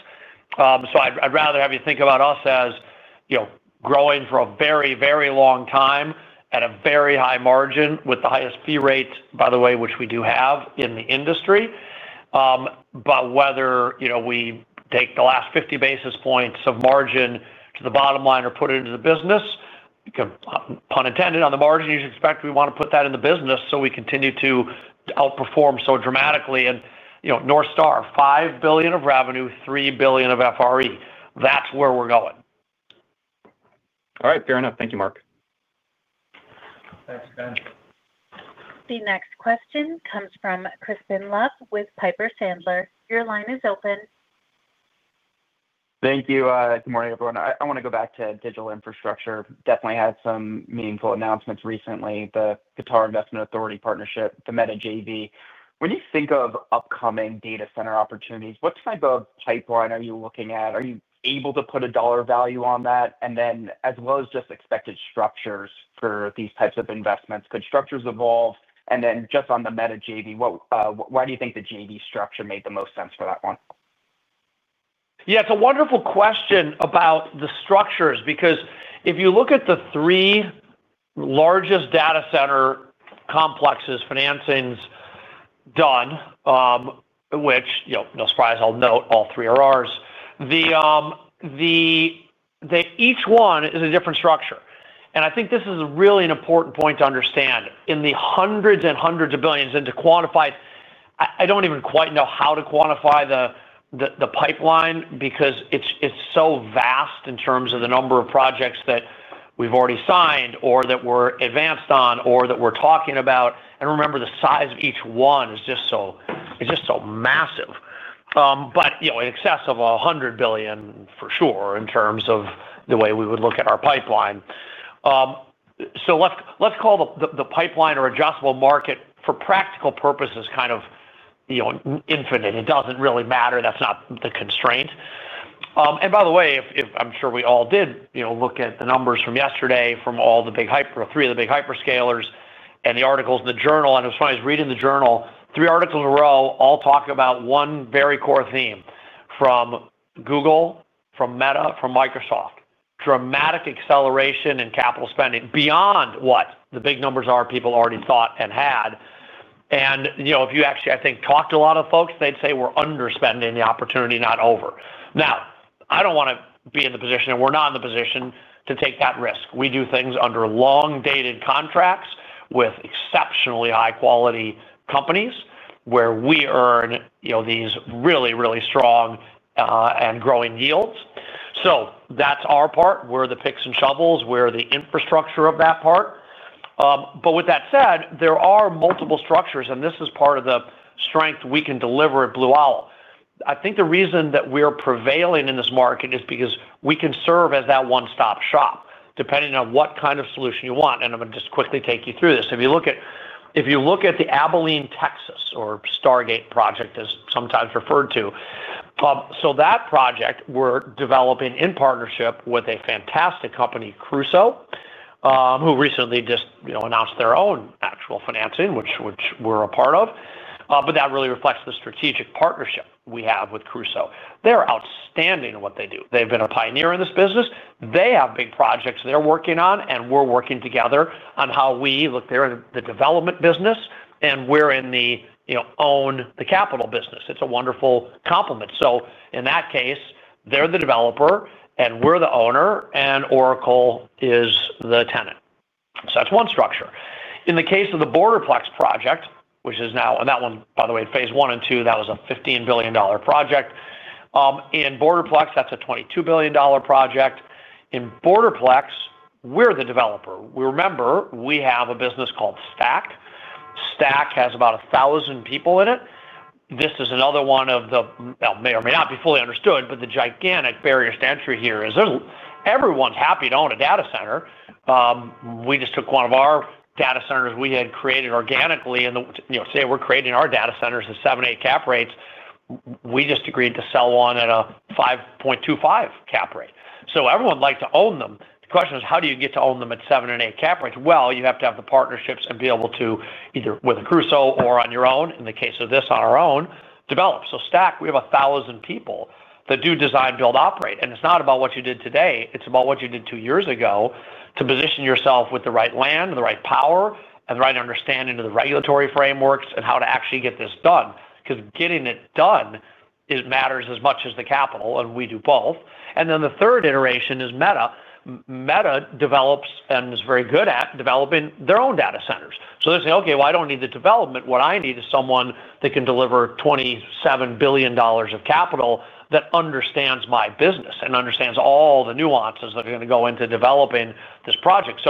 C: I'd rather have you think about us as growing for a very, very long time at a very high margin with the highest fee rate, by the way, which we do have in the industry. Whether we take the last 50 basis points of margin to the bottom line or put it into the business, pun intended, on the margin, you should expect we want to put that in the business. We continue to outperform so dramatically. North Star, $5 billion of revenue, $3 billion of FRE. That's where we're going.
J: All right, fair enough. Thank you, Marc.
D: Thanks, Ben.
A: The next question comes from Crispin Love with Piper Sandler. Your line is open.
K: Thank you. Good morning, everyone. I want to go back to digital infrastructure. Definitely had some meaningful announcements recently, the Qatar Investment Authority partnership, the Meta JV. When you think of upcoming data center opportunities, what type of pipeline are you looking at? Are you able to put a dollar value on that, as well as just expected structures for these types of investments? Could structures evolve? Just on the Meta joint venture. Why do you think the JV structure?
C: Made the most sense for that one? Yeah, it's a wonderful question about the structures because if you look at the three largest data center complexes, financings done, which no surprise I'll note, all three are ours, each one is a different structure. I think this is really an important point to understand in the hundreds and hundreds of billions and to quantify. I don't even quite know how to quantify the pipeline because it's so vast in terms of the number of projects that we've already signed or that we're advanced on or that we're talking about. Remember, the size of each one is just so. It's just so massive. You know, in excess of $100 billion for sure, in terms of the way we would look at our pipeline, so let's call the pipeline or adjustable market for practical purposes kind of infinite. It doesn't really matter. That's not the constraint. By the way, I'm sure we all did look at the numbers from yesterday from all the big hyper, three of the big hyperscalers and the articles in the Journal. As far as reading the Journal, three articles in a row all talk about one very core theme from Google, from Meta, from Microsoft, dramatic acceleration in capital spending beyond what the big numbers are people already thought and had. You know, if you actually, I think, talk to a lot of folks, they'd say we're underspending the opportunity, not over. I don't want to be in the position and we're not in the position to take that risk. We do things under long-dated contracts with exceptionally high-quality companies where we earn these really, really strong and growing yields. That's our part, where the picks and shovels, where the infrastructure of that part. With that said, there are multiple structures and this is part of the strength we can deliver at Blue Owl. I think the reason that we are prevailing in this market is because we can serve as that one-stop shop depending on what kind of solution you want. I'm going to just quickly take you through this. If you look at the Abilene, Texas or Stargate Project, as sometimes referred to. That project we're developing in partnership with a fantastic company, Crusoe, who recently just announced their own actual financing which we're a part of. That really reflects the strategic partnership we have with Crusoe. They're outstanding in what they do. They've been a pioneer in this business. They have big projects they're working on and we're working together on how we look there in the development business and we're in the, you know, own the capital business. It's a wonderful complement. In that case they're the developer and we're the owner and Oracle is the tenant. That's one structure. In the case of the BorderPlex project, which is now that one by the way, phase one and two, that was a $15 billion project in BorderPlex. That's a $22 billion project in BorderPlex. We're the developer. We remember we have a business called STACK. STACK has about a thousand people in it. This is another one of the may or may not be fully understood but the gigantic barriers to entry here is everyone's happy to own a data center. We just took one of our data centers we had created organically and, you know, say we're creating our data centers, the 7%, 8% cap rates. We just agreed to sell one at a 5.25% cap rate. Everyone likes to own them. The question is, how do you get to own them at 7% and 8% cap rates? You have to have the partnerships and be able to either with a Crusoe or on your own. In the case of this, on our own develop. STACK, we have a thousand people that do design, build, operate and it's not about what you did today, it's about what you did two years ago to position yourself with the right land, the right power and the right understanding of the regulatory frameworks and how to actually get this done. Getting it to done matters as much as the capital and we do both. The third iteration is Meta. Meta develops and is very good at developing their own data centers. They say, okay, I don't need the development. What I need is someone that can deliver $27 billion of capital, that understands my business and understands all the nuances that are going to go into developing this project.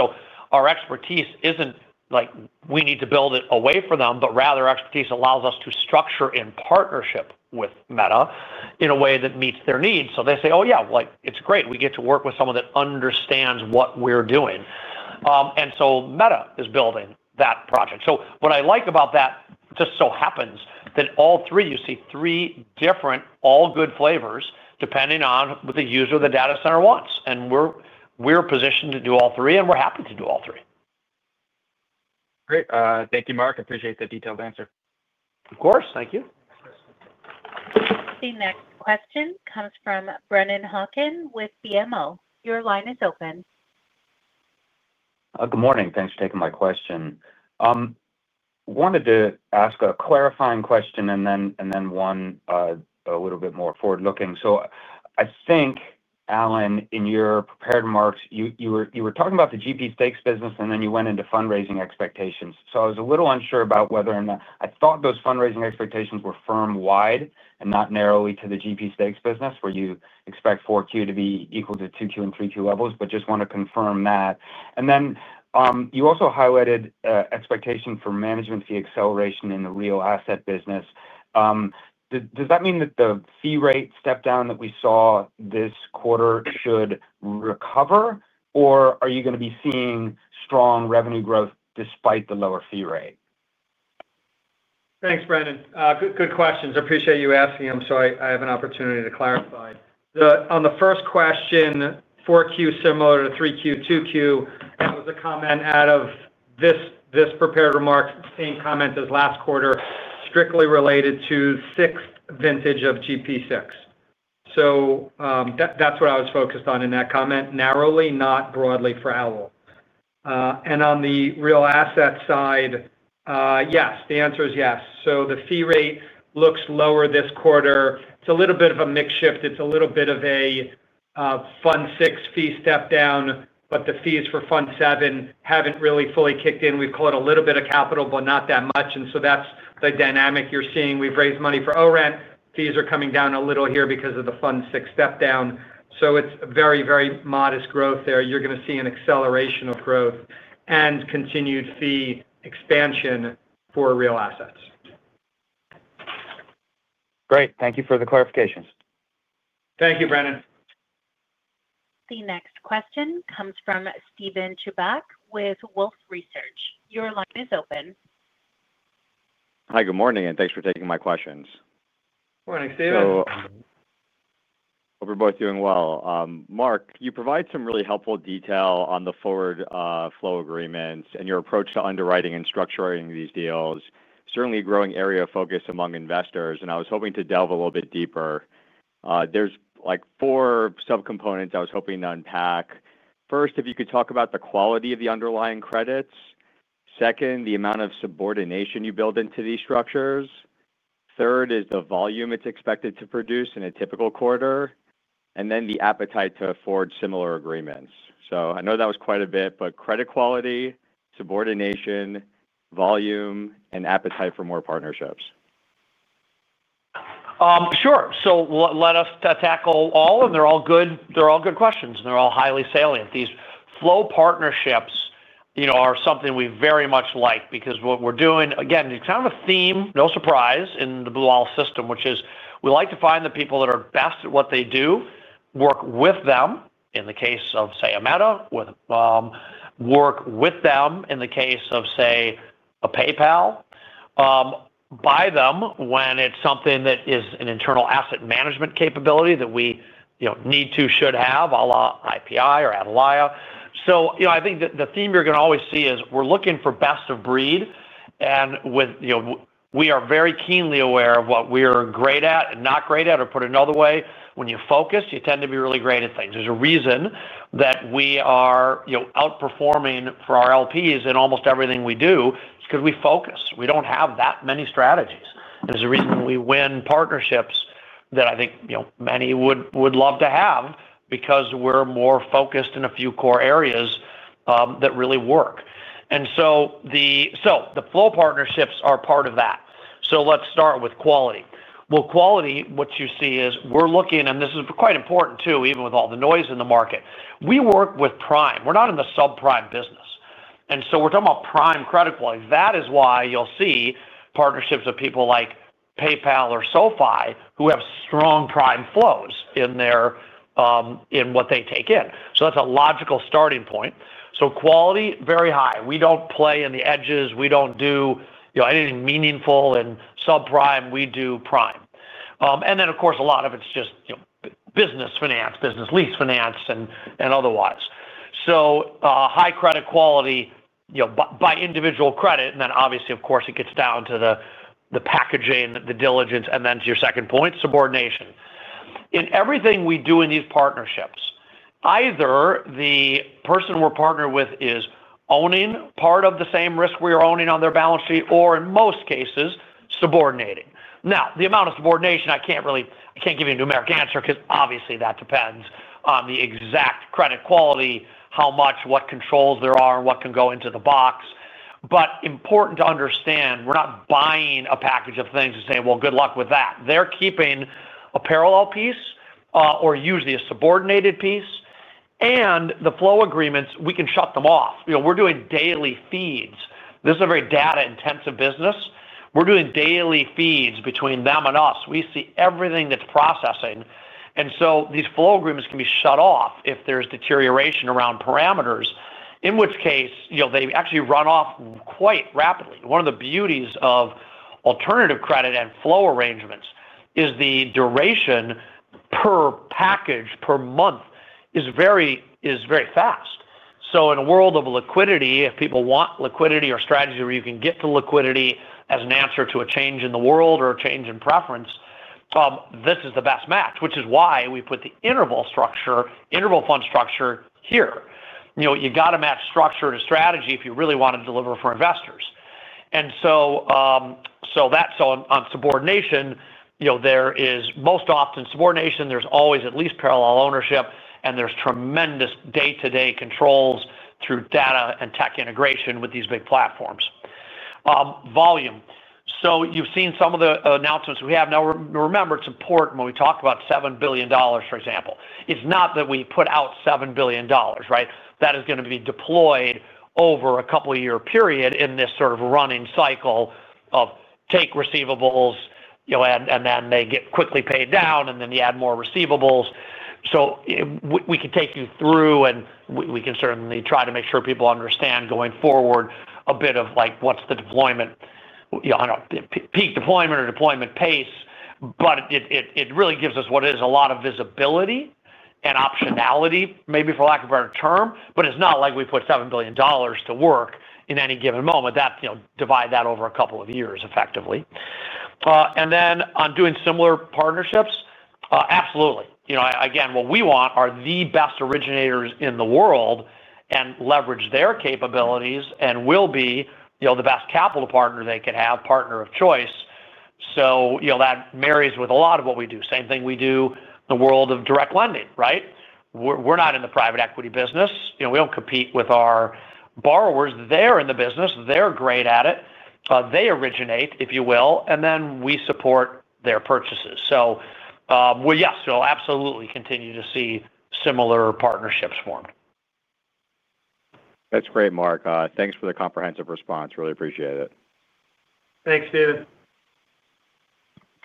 C: Our expertise isn't like we need to build it away for them, but rather expertise allows us to structure in partnership with Meta in a way that meets their needs. They say, oh yeah, it's great we get to work with someone that understands what we're doing. Meta is building that project. What I like about that just so happens that all three, you see three different, all good flavors depending on what the user, the data center wants. We're positioned to do all three and we're happy to do all three.
K: Great, thank you Marc. Appreciate the detailed answer.
C: Of course, thank you.
A: The next question comes from Brennan Hawken with BMO. Your line is open.
L: Good morning. Thanks for taking my question. I wanted to ask a clarifying question and then one a little bit more forward looking. I think, Alan, in your prepared remarks you were talking about the GP stakes business and then you went into fundraising expectations. I was a little unsure about whether or not I thought those fundraising expectations were firm wide and not narrowly. To the GP stakes business, where you. Expect 4Q to be equal to 2Q and 3Q levels, just want to confirm that. You also highlighted expectation for management fee acceleration in the real asset business. Does that mean that the fee rate? Step down that we saw this quarter should recover, or are you going to be seeing strong revenue growth despite the lower fee rate?
D: Thanks, Brennan. Good questions. I appreciate you asking them. I have an opportunity to clarify on the first question. 4Q is similar to 3Q and 2Q. That was a comment out of this. Prepared remarks, same comment as last quarter, stri`ctly related to sixth vintage of GP VI. That's what I was focused on in that comment narrowly, not broadly for Blue Owl. On the real asset side, yes, the answer is yes. The fee rate looks lower this quarter. It's a little bit of a mix shift. It's a little bit of a Fund. Fee step down, but the fees for Fund VII haven't really fully kicked in. We've caught a little bit of capital, but not that much, and that's the dynamic you're seeing. We've raised money for, or and fees are coming down a little here because of the Fund 4 step down. It's very, very modest growth there. You're going to see an acceleration of growth and continued fee expansion for real assets.
L: Great. Thank you for the clarifications.
D: Thank you, Brennan.
A: The next question comes from Steven Chubak with Wolfe Research. Your line is open.
M: Hi, good morning, and thanks for taking my questions.
C: Morning, Steven.
M: Hope you're both doing well. Marc, you provide some really helpful detail on the forward flow agreements and your approach to underwriting and structuring these deals. Certainly a growing area of focus among investors and I was hoping to delve a little bit deeper. There are four subcomponents I was hoping to unpack. First, if you could talk about the quality of the underlying credits. Second, the amount of subordination you build into these structures. Third is the volume it's expected to produce in a typical quarter, and then the appetite to afford similar agreements. I know that was quite a bit, but credit quality, subordination, volume, and appetite for more partnerships.
C: Sure. Let us tackle all. They're all good, they're all good questions and they're all highly salient. These flow partnerships are something we very much like because what we're doing, again it's kind of a theme, no surprise in the Blue Owl system, which is we like to find the people that are best at what they do, work with them in the case of, say, a Meta, work with them in the case of, say, a PayPal, buy them when it's something that is an internal asset management capability that we need to, should have, like [IP or outlay]. I think the theme you're going to always see is we're looking for best of breed and we are very keenly aware of what we are great at and not great at. Or put another way, when you focus, you tend to be really great at things. There's a reason that we are outperforming for our LPs in almost everything we do, it's because we focus. We don't have that many strategies. There's a reason we win partnerships that I think many would love to have because we're more focused in a few core areas that really work. The flow partnerships are part of that. Let's start with quality. Quality, what you see is we're looking, and this is quite important too, even with all the noise in the market, we work with prime. We're not in the subprime business. We're talking about prime credit quality. That is why you'll see partnerships with people like PayPal or SoFi who have strong prime flows in what they take in. That's a logical starting point. Quality is very high. We don't play in the edges. We don't do anything meaningful in subprime. We do prime. A lot of it's just business finance, business lease finance and otherwise. High credit quality by individual credit. Obviously, of course, it gets down to the packaging, the diligence. To your second point, subordination. In everything we do in these partnerships, either the person we're partnered with is owning part of the same risk we are owning on their balance sheet, or in most cases, subordinating. The amount of subordination, I can't really give you a numeric answer because that depends on the exact credit quality, how much, what controls there are and what can go into the box. Important to understand, we're not buying a package of things and saying, good luck with that. They're keeping a parallel piece or usually a subordinated piece. The flow agreements, we can shut them off. You know, we're doing daily feeds. This is a very data intensive business. We're doing daily feeds. Between them and us, we see everything that's processing. These flow agreements can be shut off if there's deterioration around parameters, in which case they actually run off quite rapidly. One of the beauties of alternative credit and flow arrangements is the duration per package per month is very fast. In a world of liquidity, if people want liquidity or strategy where you can get to liquidity as an answer to a change in the world or a change in preference, this is the best match, which is why we put the interval fund structure here. You know, you got to match structure to strategy if you really want to deliver for investors. That's on subordination. There is most often subordination. There's always at least parallel ownership and there's tremendous day-to-day controls through data and tech integration with these big platforms. Volume. You've seen some of the announcements we have. Now remember, it's important when we talk about $7 billion, for example, it's not that we put out $7 billion, right. That is going to be deployed over a couple of year period in this sort of running cycle of take receivables and then they get quickly paid down and then you add more receivables. We can take you through and we can certainly try to make sure people understand going forward a bit of what's the deployment, peak deployment, or deployment pace. It really gives us what is a lot of visibility and optionality, maybe for lack of a better term. It's not like we put $7 billion to work in any given moment. Divide that over a couple of years effectively. On doing similar partnerships, absolutely. What we want are the best originators in the world and leverage their capabilities and will be the best capital partner they can have. Partner of choice. That marries with a lot of what we do. Same thing we do in the world of direct lending. We're not in the private equity business. We don't compete with our borrowers. They're in the business, they're great at it. They originate, if you will, and then we support their purchases. Yes, we'll absolutely continue to see similar partnerships formed.
M: That's great, Marc, thanks for the comprehensive response, really appreciate it.
C: Thanks, Steven.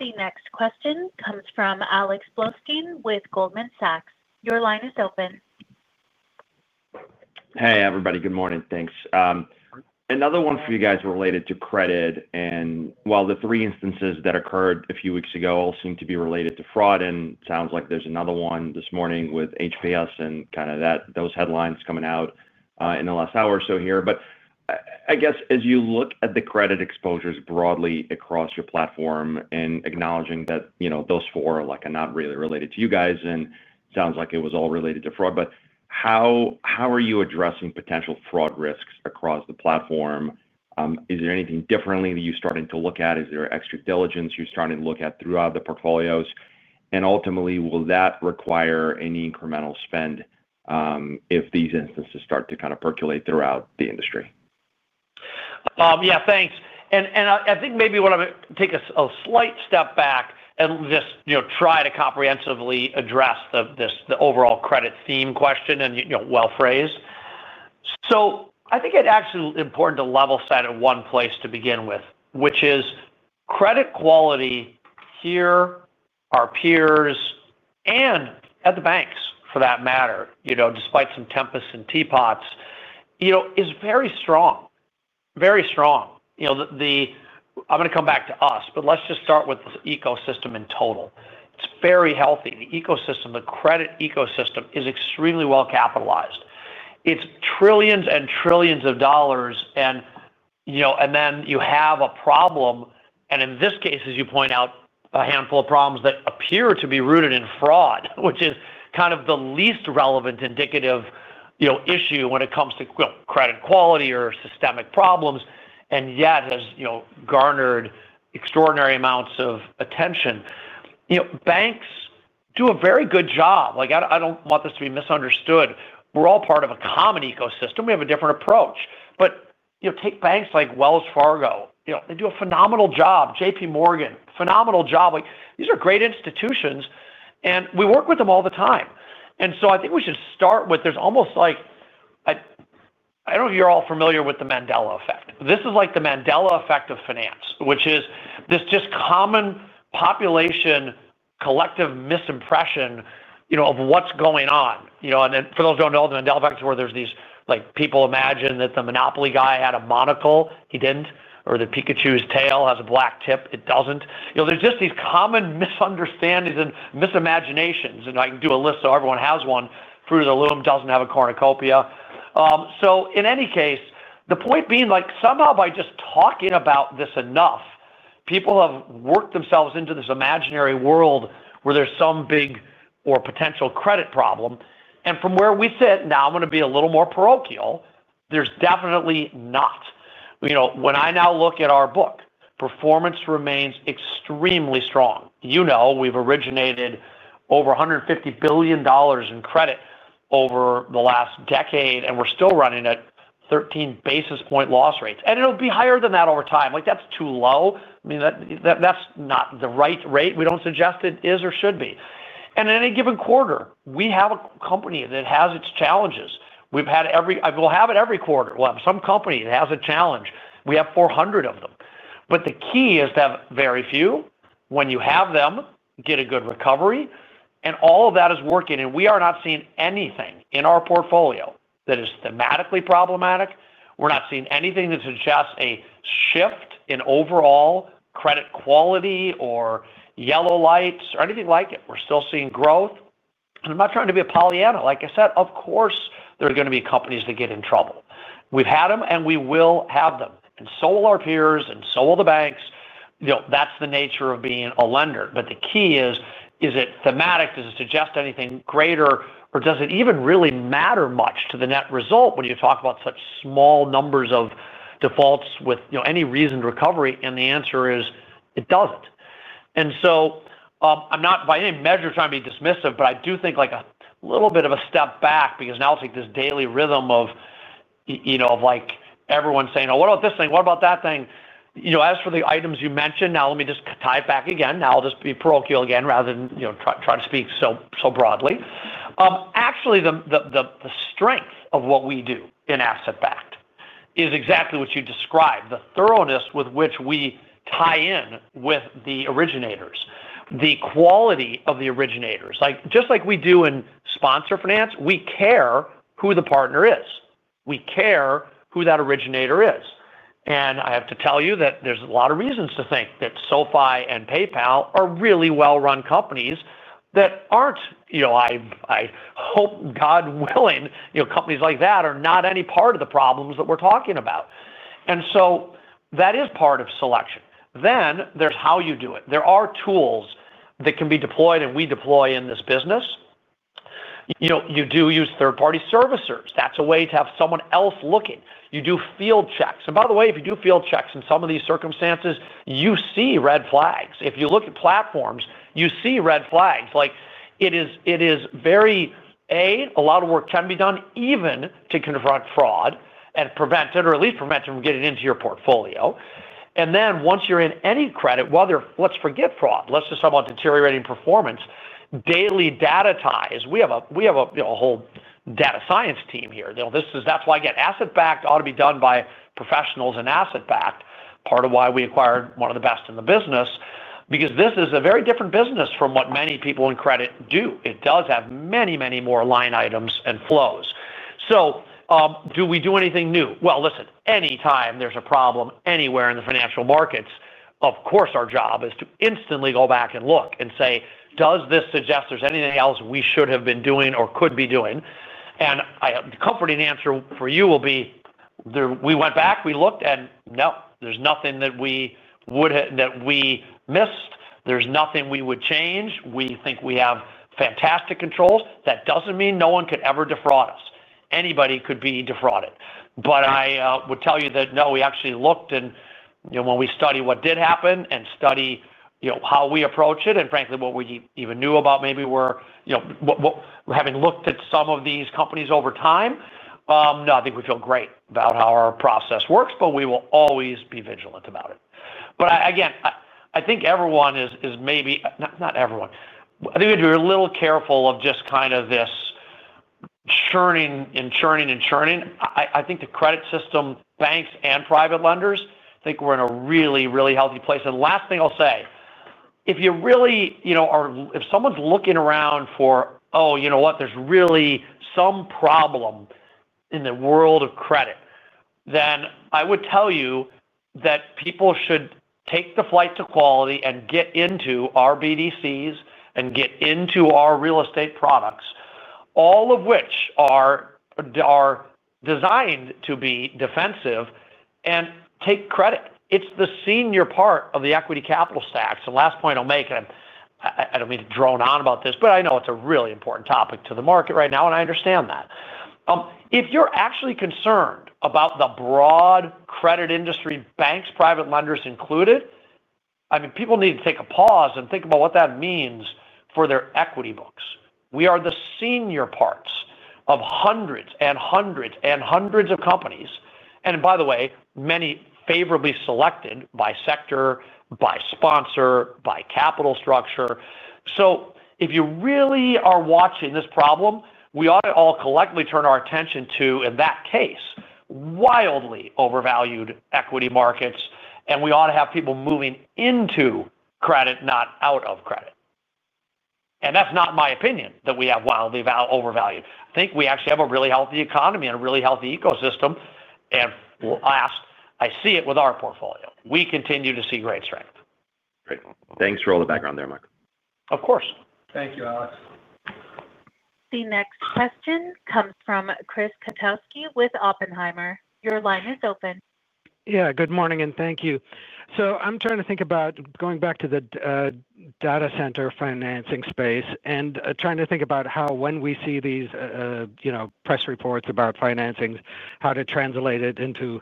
A: The next question comes from Alex Blostein with Goldman Sachs. Your line is open.
N: Hey everybody, good morning. Thanks. Another one for you guys related to credit. While the three instances that occurred a few weeks ago all seem to be related to fraud, it sounds like there's another one this morning with HBS and those headlines coming out in the last hour or so here. As you look at. The credit exposures broadly across your platform and acknowledging that those four are not really related to you guys and sounds like it was all related to fraud, how are you addressing potential fraud risks across the platform? Is there anything differently that you're starting to look at? Is there extra diligence you're starting to look at throughout the portfolios, and ultimately will that require any incremental spend if these instances start to kind of percolate throughout the industry?
C: Yeah, thanks. I think maybe what I'm going to do is take a slight step back and just try to comprehensively address the overall credit theme question, and well phrased. I think it's actually important to level set at one place to begin with, which is credit quality. Here, our peers and at the banks for that matter, despite some tempests in teapots, is very strong, very strong. I'm going to come back to us, but let's just start with the ecosystem in total. It's very healthy. The ecosystem, the credit ecosystem, is extremely well capitalized. It's trillions and trillions of dollars. Then you have a problem, and in this case, as you point out, a handful of problems that appear to be rooted in fraud, which is kind of the least relevant indicative issue when it comes to credit quality or systemic problems and yet has garnered extraordinary amounts of attention. Banks do a very good job. I don't want this to be misunderstood. We're all part of a common ecosystem. We have a different approach, but take banks like Wells Fargo, they do a phenomenal job. JPMorgan, phenomenal job. These are great institutions and we work with them all the time. I think we should start with, there's almost like, I don't know if you're all familiar with the Mandela effect. This is like the Mandela effect of finance, which is this just common population collective misimpression of what's going on. For those who don't know, the Mandela effect is where there's these, like, people imagine that the Monopoly guy had a monocle—he didn't. Or that Pikachu's tail has a black tip—it doesn't. There's just these common misunderstandings and misimaginations, and I can do a list so everyone has one. Fruit of the Loom doesn't have a cornucopia. In any case, the point being, somehow by just talking about this, enough people have worked themselves into this imaginary world where there's some big or potential credit problem. From where we sit now, I'm going to be a little more parochial. There's definitely not. When I now look at our book, performance remains extremely strong. We've originated over $150 billion in credit over the last decade and we're still running at 13 basis point loss rates, and it'll be higher than that over time. That's too low. I mean, that's not the right rate. We don't suggest it is or should be. In any given quarter, we have a company that has its challenges. We have had every. We will have it every quarter. We will have some company that has a challenge. We have 400 of them. The key is to have very few. When you have them, get a good recovery. All of that is working. We are not seeing anything in our portfolio that is thematically problematic. We are not seeing anything that suggests a shift in overall credit quality or yellow lights or anything like it. We are still seeing growth. I am not trying to be a [Pollyanna]. Like I said, of course there are going to be companies that get in trouble. We have had them and we will have them and so will our peers and so will the banks. That is the nature of being a lender. The key is, is it thematic? Does it suggest anything greater or does it even really matter much to the net result when you talk about such small numbers of defaults with any reasoned recovery? The answer is it does not. I am not by any measure trying to be dismissive, but I do think like a little bit of a step back because now it is like this daily rhythm of everyone saying, what about this thing? What about that thing? As for the items you mentioned, let me just tie it back again. I will just be parochial again rather than try to speak so broadly. Actually, the strength of what we do in asset backed is exactly what you described. The thoroughness with which we tie in with the originators, the quality of the originators, just like we do in sponsor finance. We care who the partner is, we care who that originator is. I have to tell you that there is a lot of reasons to think that SoFi and PayPal are really well run companies that are not, you know, I hope, God willing, you know, companies like that are not any part of the problems that we are talking about. That is part of selection. Then there is how you do it. There are tools that can be deployed and we deploy in this business. You do use third party servicers. That is a way to have someone else looking. You do field checks. By the way, if you do field checks in some of these circumstances, you see red flags. If you look at platforms, you see red flags. It is very, a lot of work can be done even to confront fraud and prevent it, or at least prevent it from getting into your portfolio. Once you are in any credit, whether, let us forget fraud, let us just talk about deteriorating performance. Daily data ties. We have a whole data science team here. You know, that's why I get asset backed. Ought to be done by professionals and asset backed, part of why we acquired one of the best in the business. Because this is a very different business from what many people in credit do. It does have many, many more line items and flows. Do we do anything new? Listen, anytime there's a problem anywhere in the financial markets, of course our job is to instantly go back and look and say, does this suggest there's anything else we should have been doing or could be doing? The comforting answer for you will be, we went back, we looked and no, there's nothing that we missed. There's nothing we would change. We think we have fantastic controls. That doesn't mean no one could ever defraud us. Anybody could be defrauded. I would tell you that no, we actually looked and when we study what did happen and study how we approach it and frankly, what we even knew about maybe were, having looked at some of these companies over time, nothing, we feel great about how our process works, but we will always be vigilant about it. I think everyone is, maybe not everyone. I think we're a little careful of just kind of this churning and churning and churning. I think the credit system, banks and private lenders think we're in a really, really healthy place. Last thing I'll say, if you really, if someone's looking around for, oh, you know what, there's really some problem in the world of credit, then I would tell you that people should take the flight to quality and get into our BDCs and get into our Real Estate products, all of which are designed to be defensive and take credit. It's the senior part of the equity capital stacks. The last point I'll make, and I don't mean to drone on about this, but I know it's a really important topic to the market right now. I understand that if you're actually concerned about the broad credit industry, banks, private lenders included, I mean, people need to take a pause and think about what that means for their equity books. We are the senior parts of hundreds and hundreds and hundreds of companies and by the way, many favorably selected by sector, by sponsor, by capital structure. If you really are watching this problem, we ought to all collectively turn our attention to, in that case, wildly overvalued equity markets. We ought to have people moving into credit, not out of credit. That is not my opinion that we have wildly overvalued. I think we actually have a really healthy economy and a really healthy ecosystem. I see it with our portfolio, we continue to see great strength.
N: Great. Thanks for all the background there, Marc.
C: Of course.
D: Thank you, Alex.
A: The next question comes from Christoph Kotowski with Oppenheimer. Your line is open.
O: Yeah, good morning and thank you. I'm trying to think about going back to the data center financing space and trying to think about how, when we see these press reports about financings, how to translate it into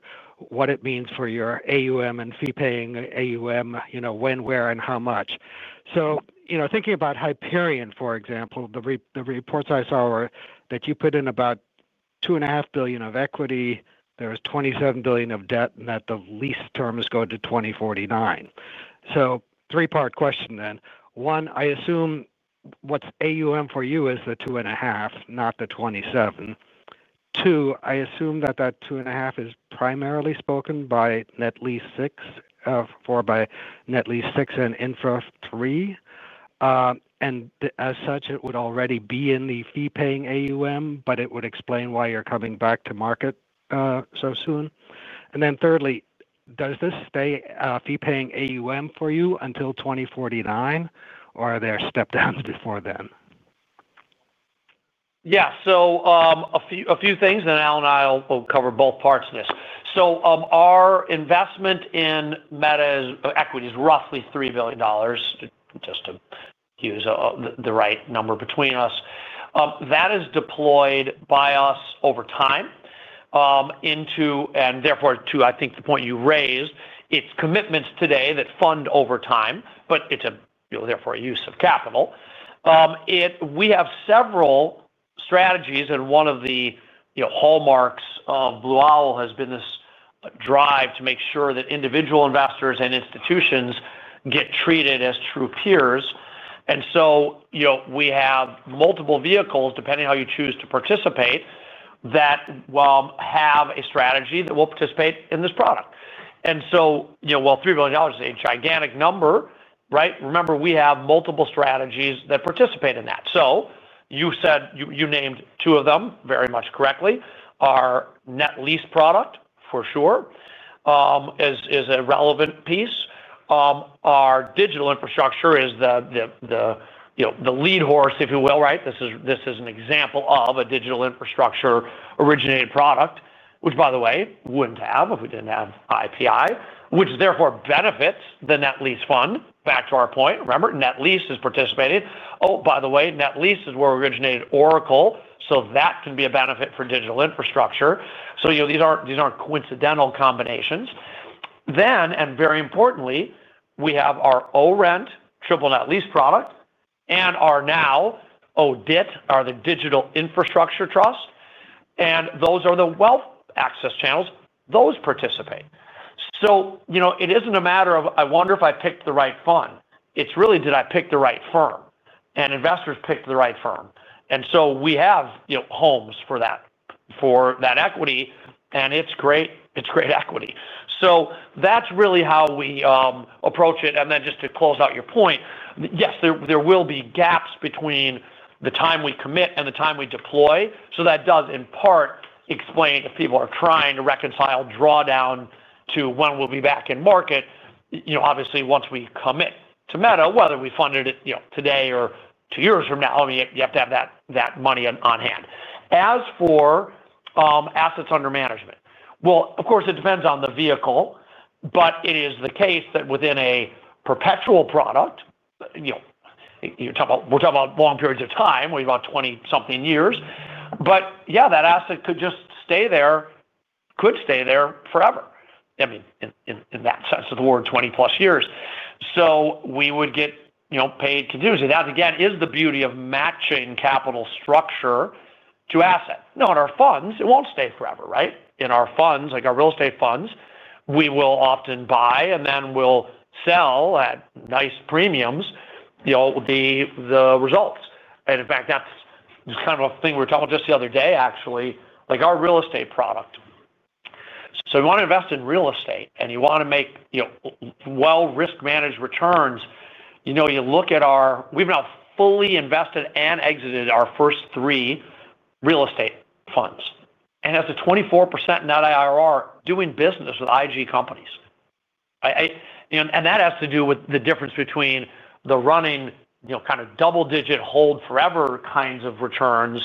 O: what it means for your AUM and fee paying AUM, you know, when, where and how much. Thinking about Hyperion, for example, the reports I saw were that you put in about $2.5 billion of equity, there was $27 billion of debt, and that the lease terms go to 2049. Three part question then. One, I assume what's AUM for you is the $2.5 billion, not the $27 billion. Two, I assume that that $2.5 billion is primarily spoken by net lease VI, by net lease VI and Infra 3, and as such it would already be in the fee paying AUM, but it would explain why you're coming back to market so soon. Thirdly, does this stay fee paying AUM for you until 2049 or are there step downs before then?
C: Yeah, so a few things. Alan and I will cover both parts of this. Our investment in Meta equity is roughly $3 billion, just to use the right number between us, that is deployed by us over time into, and therefore to, I think the point you raised, its commitments today, that fund over time. It is therefore a use of capital. We have several strategies, and one of the hallmarks of Blue Owl has been this drive to make sure that individual investors and institutions get treated as true peers. You know, we have multiple vehicles, depending how you choose to participate, that have a strategy that will participate in this product. While $3 billion is a gigantic number, remember we have multiple strategies that participate in that. You named two of them very much correctly. Our net lease product for sure is a relevant piece. Our digital infrastructure is the lead horse, if you will. This is an example of a digital infrastructure originated product, which, by the way, wouldn't have happened if we didn't have IPI, which therefore benefits the net lease Fund. Back to our point, remember Net Lease is participating. Oh, by the way, Net Lease is where we originated Oracle, so that can be a benefit for digital infrastructure. These aren't coincidental combinations. Very importantly, we have our own rent triple net lease product and now the Digital Infrastructure Trust, and those are the wealth access channels, those participate. It isn't a matter of I wonder if I picked the right fund. It's really did I pick the right firm, and investors picked the right firm. We have homes for that equity, and it's great, it's great equity. That's really how we approach it. Just to close out your point, yes, there will be gaps between the time we commit and the time we deploy. That does in part explain if people are trying to reconcile drawdown to when we'll be back in market. Obviously, once we commit to Meta, whether we funded it today or two years from now, you have to have that money on hand. As for assets under management, of course it depends on the vehicle, but it is the case that within a perpetual product, you talk about, we're talking about long periods of time, we want 20 something years. Yeah, that asset could just stay there, could stay there forever, I mean in that sense of the word, 20+ years. We would get, you know, paid continuity. That again is the beauty of matching capital structure to asset, not our funds. It won't stay forever, right? In our funds, like our real estate funds, we will often buy and then we'll sell at nice premiums, you know, the results. In fact, that's just kind of a thing we were talking about just the other day actually, like our real estate product. You want to invest in real estate and you want to make, you know, well, risk-managed returns. You know, you look at our, we've now fully invested and exited our first three real estate funds and as the 24% net IRR doing business with IG companies. That has to do with the difference between the running, you know, kind of double-digit hold-forever kinds of returns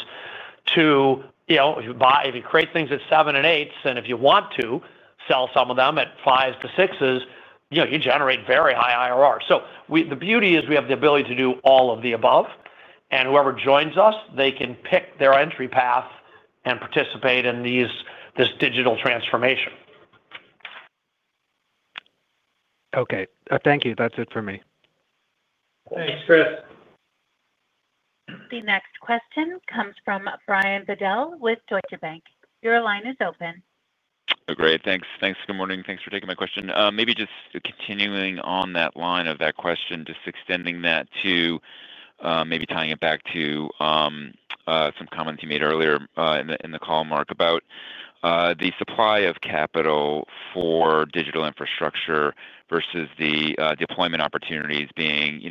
C: to, you know, if you create things at 7% and 8% and if you want to sell some of them at 5.5%-6%, you generate very high IRR. The beauty is we have the ability to do all of the above and whoever joins us, they can pick their entry path and participate in this digital transformation.
O: Okay, thank you. That's it for me.
C: Thanks, Chris.
A: The next question comes from Brian Bedell with Deutsche Bank. Your line is open.
P: Great, thanks. Thanks. Good morning. Thanks for taking my question, maybe just continuing on that line of that question, just extending that to maybe tying it back to some comments you made earlier in the call, Marc, about the supply of capital for digital infrastructure versus the deployment opportunities being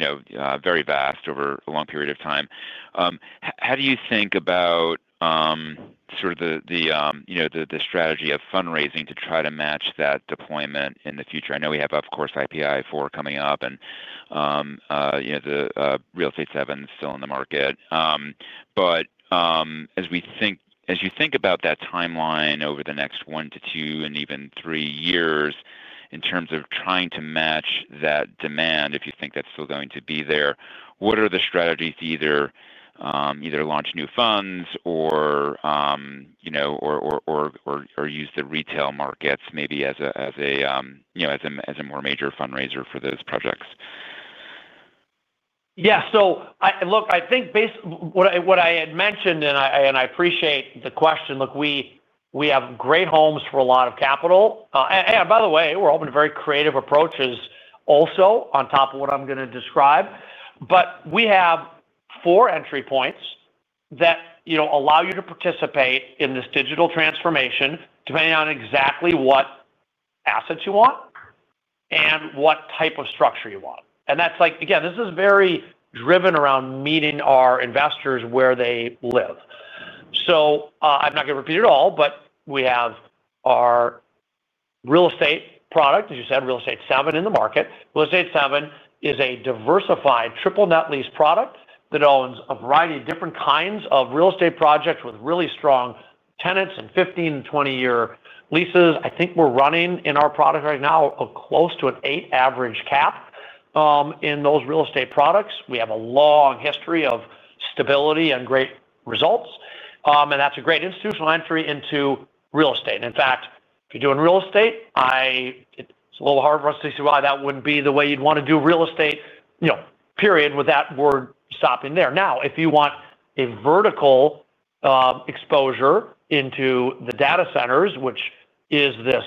P: very vast over a long period of time. How do you think about sort of the strategy of fundraising to try to match that deployment in the future? I know we have of course IPI VI coming up and the Real Estate VII still in the market. As you think about that timeline over the next one to two and even three years in terms of trying to match that demand, if you think that's still going to be there, what are the strategies to either launch new funds or use the retail markets maybe as a more major fundraiser for those projects.
C: Yeah, so look, I think what I had mentioned and I appreciate the question, we have great homes for a lot of capital by the way. We're all in very creative approaches also on top of what I'm going to describe. We have four entry points that allow you to participate in this digital transformation depending on exactly what assets you want and what type of structure you want. That's like again, this is very driven around meeting our investors where they live. I'm not going to repeat it all, but we have our real estate product, as you said, Real Estate VII in the market. Real Estate VII is a diversified triple net lease product that owns a variety of different kinds of real estate projects with really strong tenants and 15 years, 20 year leases. I think we're running in our product right now close to an 8% average cap in those real estate products. We have a long history of stability and great results and that's a great institutional entry into real estate. In fact, if you're doing real estate, it's a little hard for us to see why that wouldn't be the way you'd want to do real estate, period with that word stopping there. If you want a vertical exposure into the data centers, which is this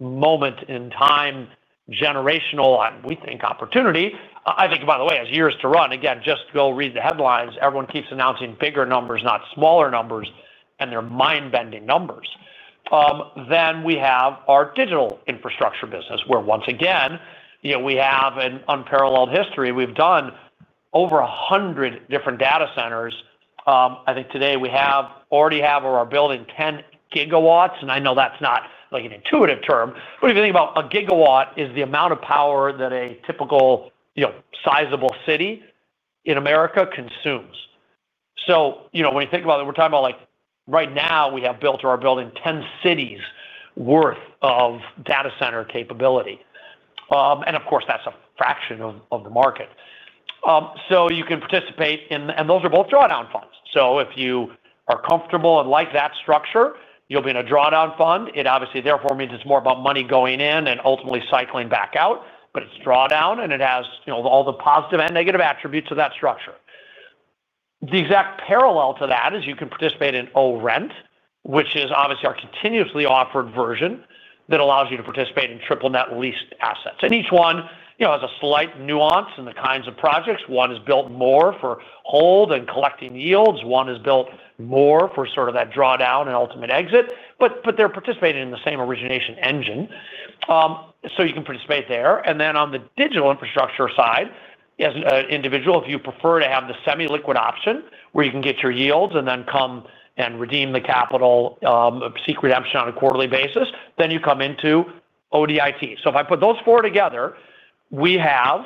C: moment in time generational and we think opportunity. I think by the way, as years to run again, just go read the headlines. Everyone keeps announcing bigger numbers, not smaller numbers and they're mind bending numbers. We have our digital infrastructure business where once again we have an unparalleled history. We've done over 100 different data centers. I think today we have already have or are building 10 GW. I know that's not like an intuitive term, but if you think about a gigawatt is the amount of power that a typical sizable city in America consumes. When you think about it, we're talking about like right now we have built or are building 10 cities worth of data center capability. Of course that's a fraction of the market. You can participate in and those are both drawdown funds. If you are comfortable and like that structure, you'll be in a drawdown fund. It obviously therefore means it's more about money going in and ultimately cycling back out. It's drawdown and it has all the positive and negative attributes of that structure. The exact parallel to that is you can participate in ORENT, which is obviously our continuously offered version that allows you to participate in triple net leased assets. Each one has a slight nuance in the kinds of projects. One is built more for hold and collecting yields, one is built more for sort of that drawdown and ultimate exit. They're participating in the same origination and engine. You can participate there and then on the digital infrastructure side as an individual, if you prefer to have the semi-liquid option where you can get your yields and then come and redeem the capital, seek redemption on a quarterly basis, you come into ODIT. If I put those four together, we have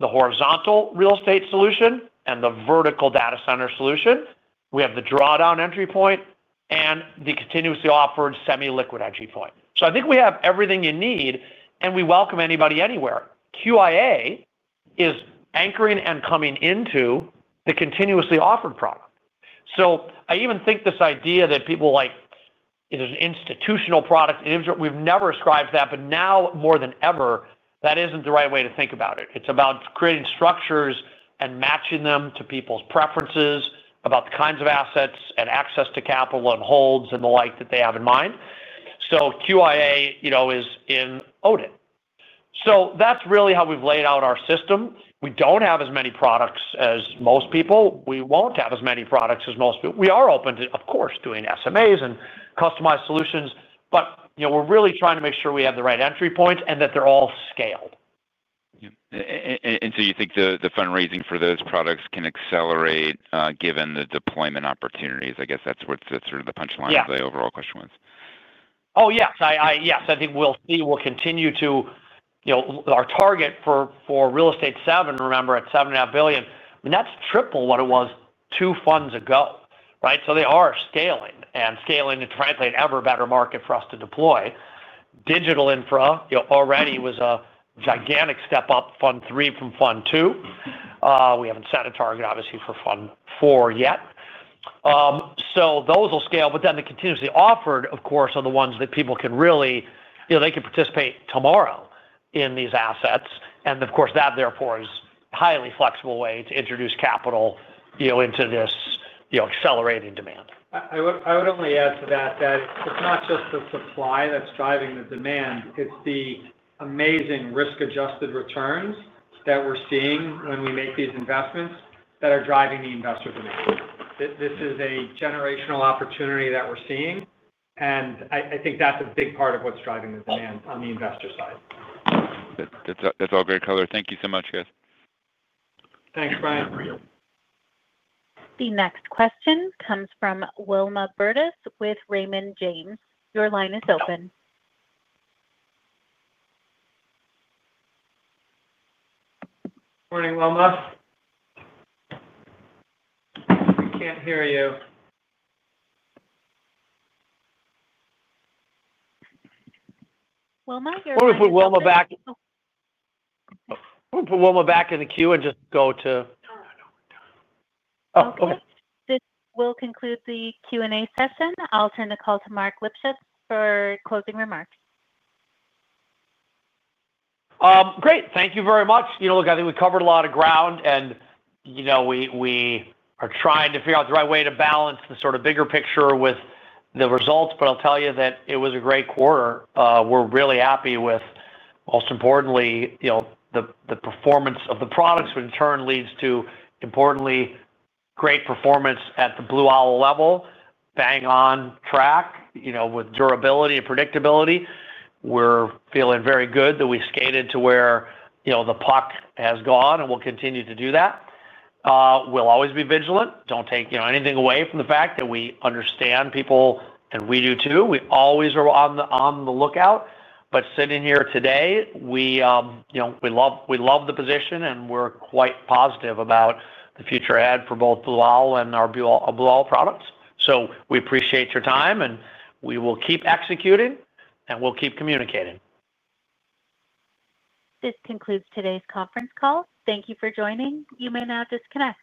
C: the horizontal real estate solution and the vertical data center solution. We have the drawdown entry point and the continuously offered semi-liquid entry point. I think we have everything you need and we welcome anybody anywhere. QIA is anchoring and coming into the continuously offered product. I even think this idea that people like institutional product, we've never ascribed that, but now more than ever, that isn't the right way to think about it. It's about creating structures and matching them to people's preferences about the kinds of assets and access to capital and holds and the like that they have in mind. QIA is in ODIT. That's really how we've laid out our system. We don't have as many products as most people. We won't have as many products as most people. We are open to, of course, doing SMAs and customized solutions, but we're really trying to make sure we have the right entry points and that they're all scale.
P: Do you think the fundraising for those products can accelerate, given the deployment opportunities? I guess that's towards the sort of the punchline of the overall question.
C: Oh yes, yes, I think we'll see. We'll continue to, you know, our target for real estate, seven, remember at $7.5 billion, that's triple what it was two funds ago. Right. They are scaling and scaling to frankly an ever better market for us to deploy. Digital infra already was a gigantic step up, Fund 3 from Fund 2. We haven't set a target obviously for Fund 4 yet. Those will scale. The continuously offered, of course, are the ones that people can really, you know, they can participate tomorrow in these assets. That therefore is a highly flexible way to introduce capital into this accelerating demand.
D: I would only add to. It's not just the supply. That's driving the demand. It's the amazing risk-adjusted returns that we're seeing when we make these. Investments that are driving the investors. This is a generational opportunity that we're experiencing. Seeing, and I think that's a big. Part of what's driving the demand on the investor side.
P: That's all great color. Thank you so much, guys.
D: Thanks, Brian.
A: The next question comes from Wilma Burdis with Raymond James. Your line is open.
D: Good morning, Wilma. We can't hear you.
C: Put Wilma back in the queue and just go to.
A: This will conclude the Q&A session. I'll turn the call to Marc Lipschultz for closing remarks.
C: Great, thank you very much. I think we covered a lot of ground and we are trying to figure out the right way to balance the sort of bigger picture with the results. I'll tell you that it was a great quarter we're really happy with. Most importantly, the performance of the products in turn leads to importantly great performance at the Blue Owl level. Bang on track, with durability and predictability. We're feeling very good that we skated to where the puck has gone and we'll continue to do that. We'll always be vigilant. Don't take anything away from the fact that we understand people and we do too. We always are on the lookout. Sitting here today, we love the position and we're quite positive about the future for both Blue Owl and our Blue Owl products. We appreciate your time and we will keep executing and we'll keep communicating.
A: This concludes today's conference call. Thank you for joining. You may now disconnect.